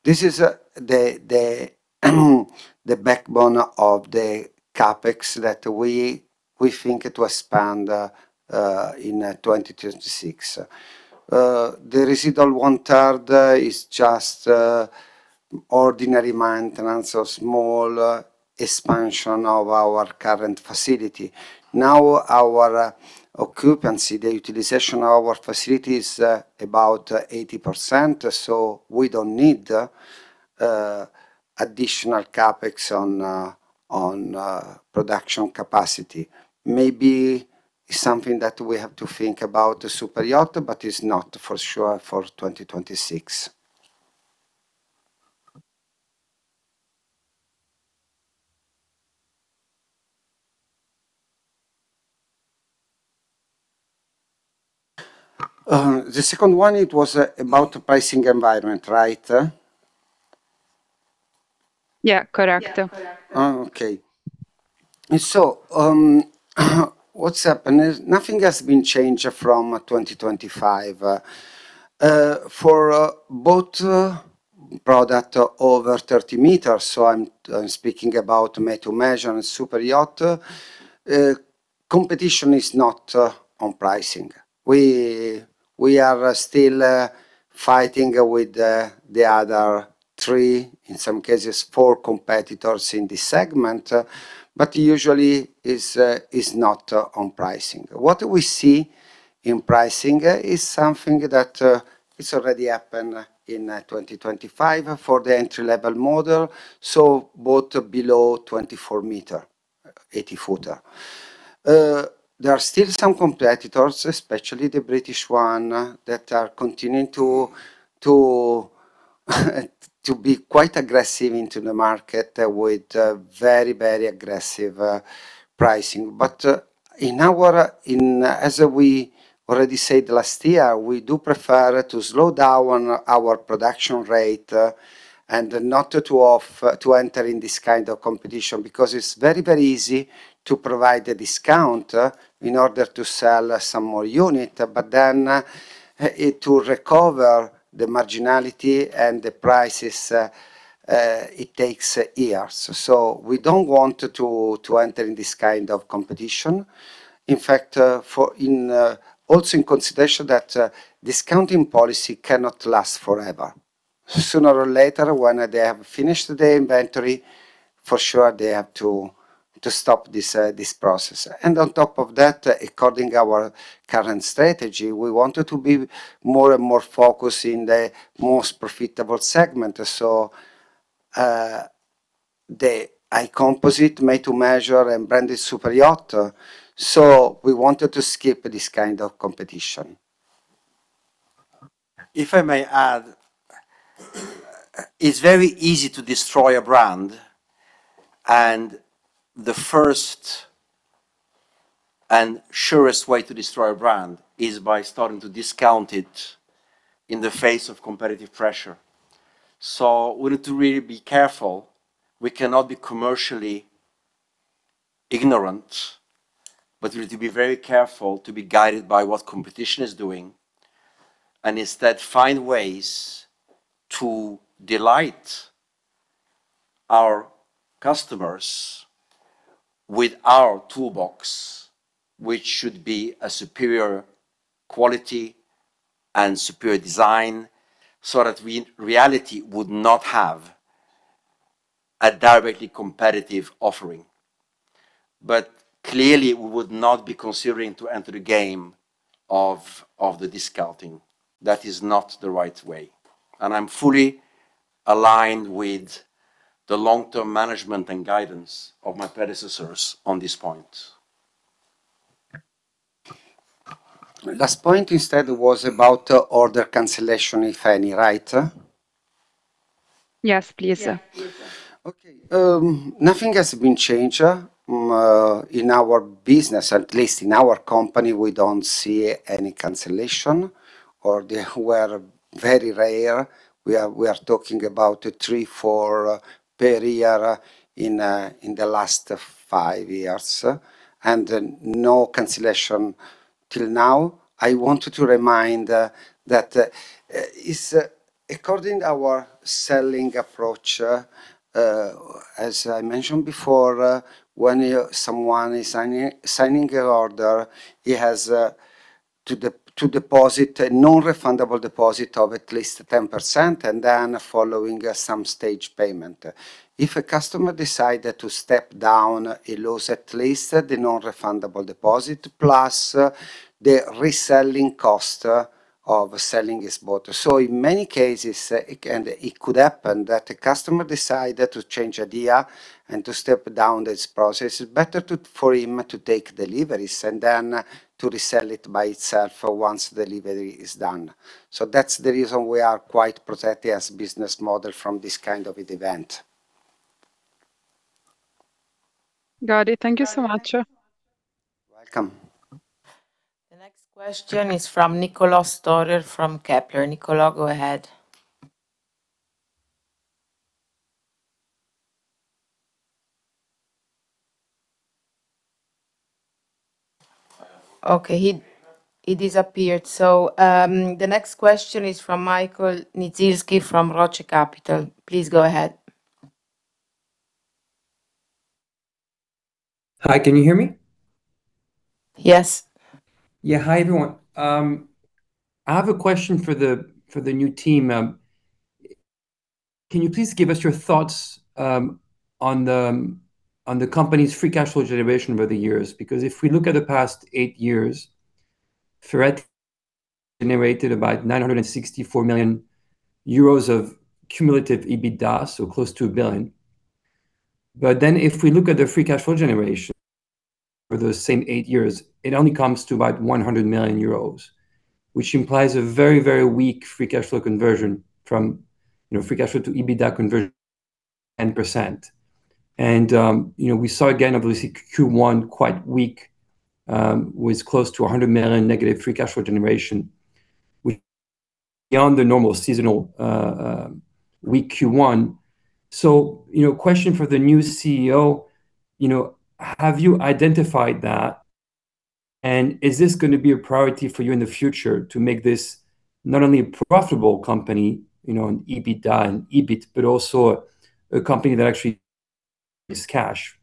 This is the backbone of the CapEx that we think it will expand in 2026. The residual 1/3 is just ordinary maintenance or small expansion of our current facility. Now, our occupancy, the utilization of our facility is about 80%, so we don't need additional CapEx on production capacity. Maybe it's something that we have to think about Superyacht, but it's not for sure for 2026. The second one, it was about the pricing environment, right?
Yeah, correct.
What's happened is nothing has been changed from 2025. For a boat product over 30 m, I'm speaking about Made-To-Measure and Superyacht, competition is not on pricing. We are still fighting with the other three, in some cases four competitors in this segment, but usually is not on pricing. What we see in pricing is something that it's already happened in 2025 for the entry-level model, so boat below 24 m, 80 ft. There are still some competitors, especially the British one, that are continuing to be quite aggressive into the market with very, very aggressive pricing. In our, in As we already said last year, we do prefer to slow down our production rate and not to enter in this kind of competition because it's very, very easy to provide a discount in order to sell some more unit. To recover the marginality and the prices, it takes years. We don't want to enter in this kind of competition. For, in, also in consideration that discounting policy cannot last forever. Sooner or later when they have finished their inventory, for sure they have to stop this process. On top of that, according our current strategy, we wanted to be more and more focused in the most profitable segment. The Composite, Made-To-Measure and branded Superyacht. We wanted to skip this kind of competition.
If I may add, it's very easy to destroy a brand. The first and surest way to destroy a brand is by starting to discount it in the face of competitive pressure. We need to really be careful. We cannot be commercially ignorant, but we need to be very careful to be guided by what competition is doing, and instead find ways to delight our customers with our toolbox, which should be a superior quality and superior design so that we in reality would not have a directly competitive offering. Clearly, we would not be considering to enter the game of the discounting. That is not the right way. I'm fully aligned with the long-term management and guidance of my predecessors on this point.
Last point instead was about order cancellation, if any, right?
Yes, please.
Okay. Nothing has been changed in our business. At least in our company, we don't see any cancellation or they were very rare. We are talking about three, four per year in the last five years, and no cancellation till now. I wanted to remind that it is according our selling approach, as I mentioned before, when someone is signing an order, he has to deposit a non-refundable deposit of at least 10%, and then following some stage payment. If a customer decided to step down, he lose at least the non-refundable deposit, plus the reselling cost of selling his boat. In many cases, it could happen that the customer decided to change idea and to step down this process. It's better to, for him to take deliveries and then to resell it by itself once delivery is done. That's the reason we are quite protected as business model from this kind of event.
Got it. Thank you so much.
Welcome.
The next question is from Niccolò Storer from Kepler. Niccolò, go ahead. Okay, he disappeared. The next question is from Michael Nizienski from Roth Capital. Please go ahead.
Hi, can you hear me?
Yes.
Yeah. Hi, everyone. I have a question for the, for the new team. Can you please give us your thoughts on the, on the company's free cash flow generation over the years? Because if we look at the past eight years, Ferretti generated about 964 million euros of cumulative EBITDA, so close to a billion. If we look at the free cash flow generation for those same eight years, it only comes to about 100 million euros, which implies a very, very weak free cash flow conversion from, you know, free cash flow to EBITDA conversion, 10%. You know, we saw again, obviously Q1 quite weak, with close to 100 million negative free cash flow generation, which beyond the normal seasonal weak Q1. You know, question for the new CEO, you know, have you identified that? Is this going to be a priority for you in the future to make this not only a profitable company, you know, in EBITDA and EBIT, but also a company that actually makes cash?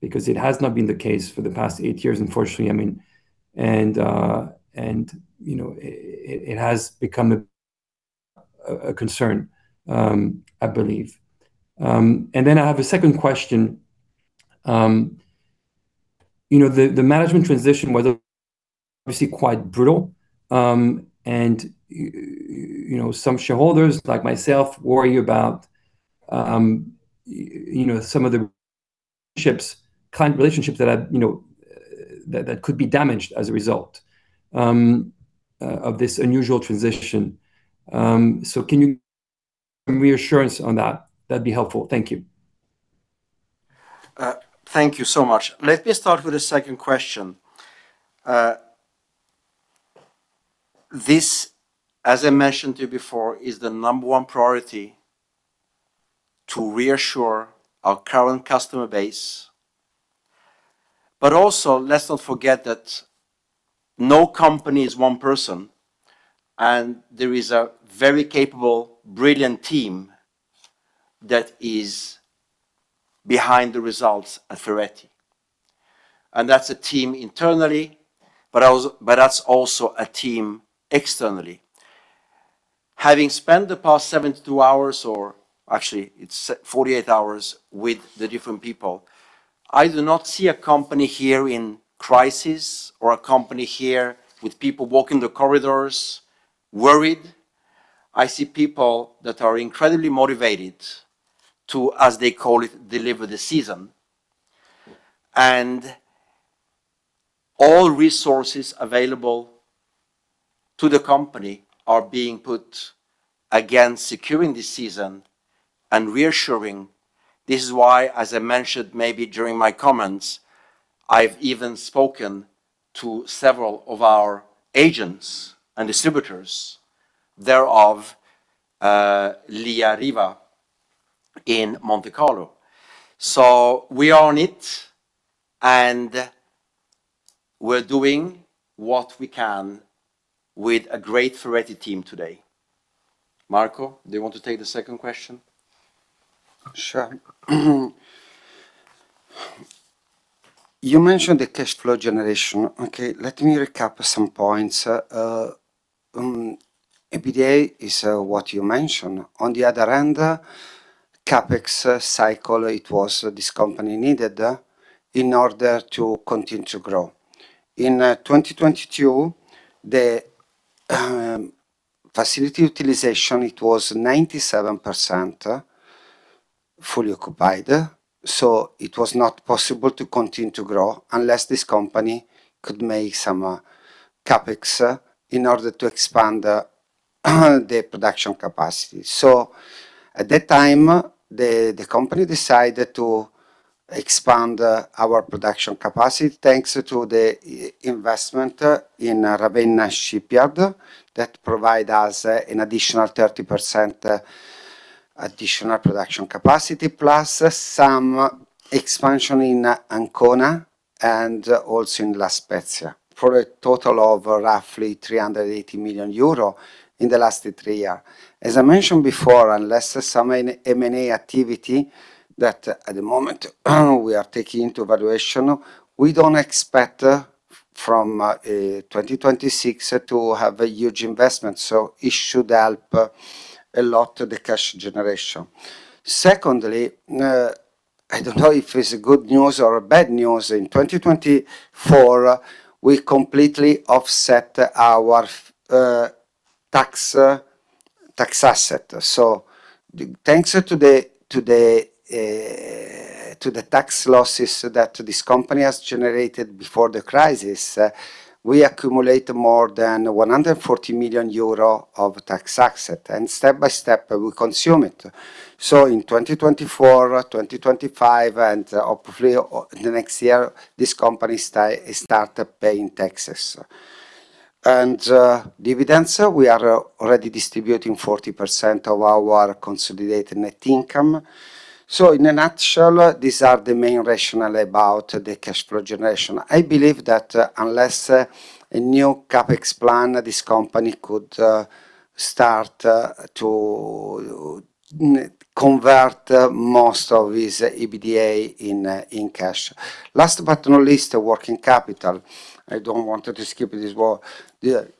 Because it has not been the case for the past eight years, unfortunately. You know, it has become a concern, I believe. I have a second question. You know, the management transition was obviously quite brutal. You know, some shareholders like myself worry about, you know, some of the relationships, client relationships that have, you know, that could be damaged as a result of this unusual transition. Can you give some reassurance on that? That'd be helpful. Thank you.
Thank you so much. Let me start with the second question. This, as I mentioned to you before, is the number one priority to reassure our current customer base. Let's not forget that no company is one person, and there is a very capable, brilliant team that is behind the results at Ferretti. That's a team internally, that's also a team externally. Having spent the past 72 hours, or actually it's 48 hours, with the different people, I do not see a company here in crisis or a company here with people walking the corridors worried. I see people that are incredibly motivated to, as they call it, deliver the season. All resources available to the company are being put against securing this season and reassuring. This is why, as I mentioned maybe during my comments, I've even spoken to several of our agents and distributors thereof, Lia Riva in Monte Carlo. We are on it, and we're doing what we can with a great Ferretti team today. Marco, do you want to take the second question?
Sure. You mentioned the cash flow generation. Okay, let me recap some points. EBITDA is what you mentioned. On the other hand, CapEx cycle, it was this company needed in order to continue to grow. In 2022, the facility utilization, it was 97% fully occupied. It was not possible to continue to grow unless this company could make some CapEx in order to expand the production capacity. At that time, the company decided to expand our production capacity, thanks to the investment in Ravenna shipyard that provide us an additional 30% additional production capacity, plus some expansion in Ancona and also in La Spezia, for a total of roughly 380 million euro in the last three year. As I mentioned before, unless there's some M&A activity that at the moment we are taking into valuation, we don't expect from 2026 to have a huge investment. It should help a lot the cash generation. Secondly, I don't know if it's good news or bad news. In 2024, we completely offset our tax asset. Thanks to the tax losses that this company has generated before the crisis, we accumulate more than 140 million euro of tax asset. Step by step we consume it. In 2024, 2025, and hopefully the next year, this company start paying taxes. Dividends, we are already distributing 40% of our consolidated net income. In a nutshell, these are the main rationale about the cash flow generation. I believe that unless a new CapEx plan, this company could start to convert most of its EBITDA in cash. Last but not least, working capital. I don't want to skip this one. The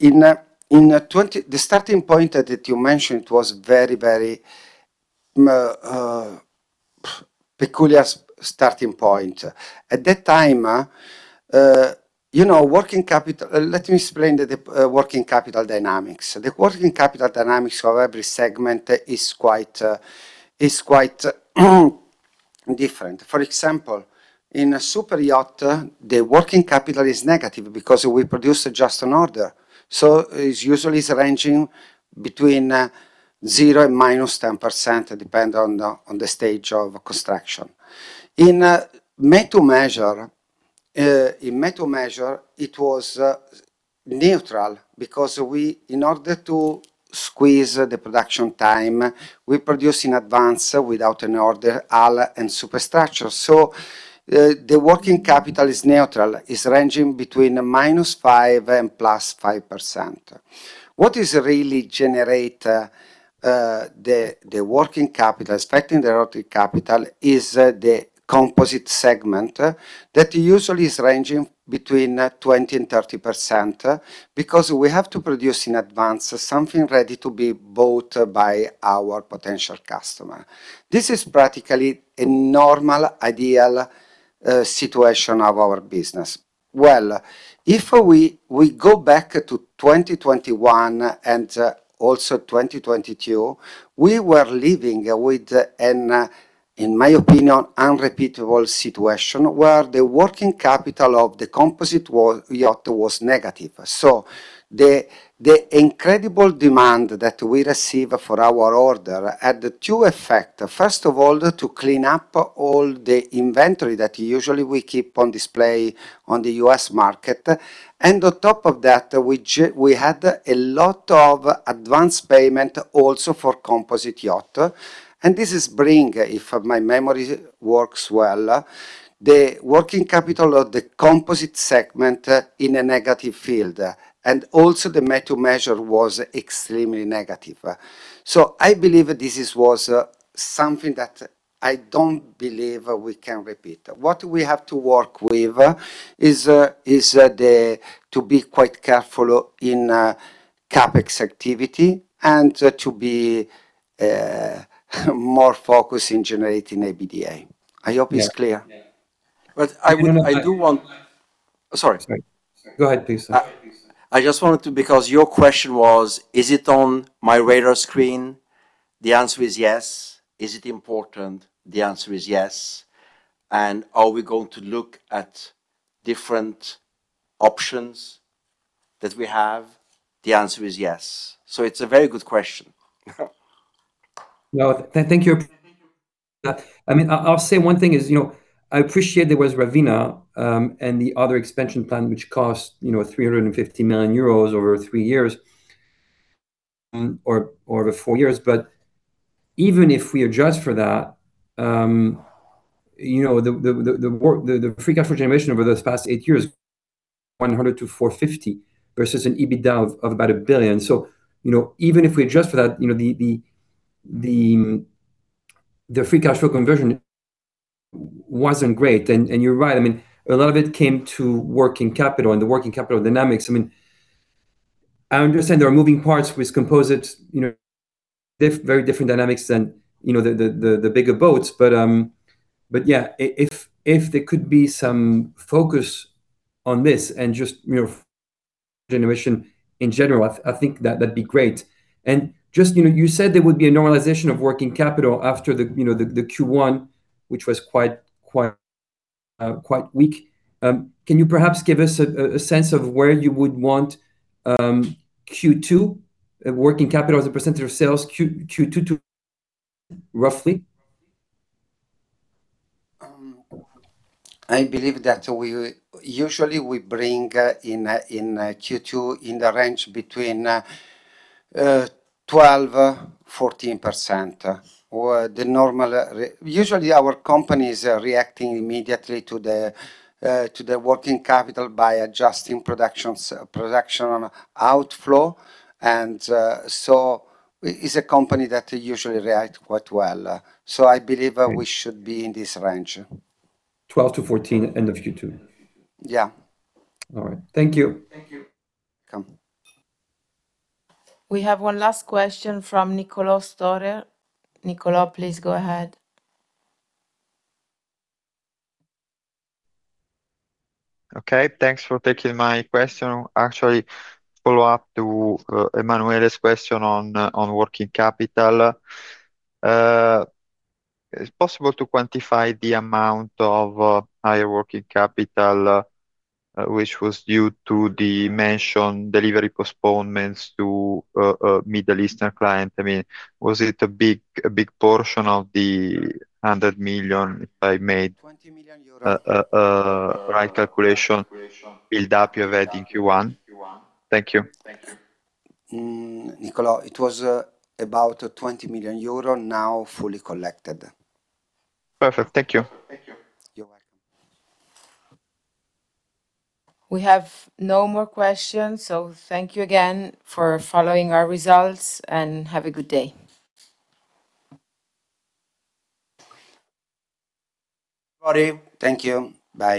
starting point that you mentioned was very peculiar starting point. At that time, You know, working capital, let me explain the working capital dynamics. The working capital dynamics of every segment is quite different. For example, in Superyacht, the working capital is negative because we produce just an order. It's usually it's ranging between 0% and -10%, depend on the stage of construction. In Made-To-Measure, in Made-To-Measure it was neutral because we in order to squeeze the production time, we produce in advance without an order hull and superstructure. The working capital is neutral. It's ranging between -5% and +5%. What is really generate the working capital, affecting the working capital, is the Composite segment that usually is ranging between 20% and 30%, because we have to produce in advance something ready to be bought by our potential customer. This is practically a normal, ideal situation of our business. Well, if we go back to 2021 and also 2022, we were living with an in my opinion, unrepeatable situation where the working capital of the Composite yacht was negative. The incredible demand that we receive for our order had the two effect. First of all, to clean up all the inventory that usually we keep on display on the U.S. market. On top of that, we had a lot of advanced payment also for Composite yacht. This is bring, if my memory works well, the working capital of the Composite segment in a negative field. Also the Made-To-Measure was extremely negative. I believe this is was something that I don't believe we can repeat. What we have to work with is, the, to be quite careful in CapEx activity and to be more focused in generating EBITDA. I hope it's clear.
Yeah.
But I will-
Another question. Sorry. Sorry. Go ahead, please, sir.
I just wanted to Because your question was, is it on my radar screen? The answer is yes. Is it important? The answer is yes. Are we going to look at different options that we have? The answer is yes. It's a very good question.
No, thank you. I mean, I'll say one thing is, you know, I appreciate there was Ravenna, and the other expansion plan which cost, you know, 350 million euros over three years or four years. Even if we adjust for that, you know, the free cash flow generation over those past eight years, 100 million-450 million versus an EBITDA of about 1 billion. You know, even if we adjust for that, you know, the free cash flow conversion wasn't great. You're right, I mean, a lot of it came to working capital and the working capital dynamics. I mean, I understand there are moving parts with Composite, you know, very different dynamics than, you know, the bigger boats. Yeah, if there could be some focus on this and just, you know, generation in general, I think that that'd be great. You said there would be a normalization of working capital after the Q1, which was quite weak. Can you perhaps give us a sense of where you would want Q2 working capital as a percentage of sales Q2 to roughly?
I believe that we usually bring in Q2 in the range between 12%-14%. Usually our company is reacting immediately to the working capital by adjusting production outflow. So is a company that usually react quite well. I believe, we should be in this range.
12%-14% end of Q2.
Yeah.
All right. Thank you.
Welcome.
We have one last question from Niccolò Storer. Niccolò, please go ahead.
Okay. Thanks for taking my question. Actually, follow up to Emanuele's question on working capital. Is it possible to quantify the amount of higher working capital which was due to the mentioned delivery postponements to Middle Eastern client? I mean, was it a big portion of the 100 million?
EUR 20 million.
Right calculation build up you have had in Q1? Thank you.
Niccolò, it was about 20 million euro, now fully collected.
Perfect. Thank you.
You're welcome.
We have no more questions, so thank you again for following our results and have a good day.
Thank you. Bye.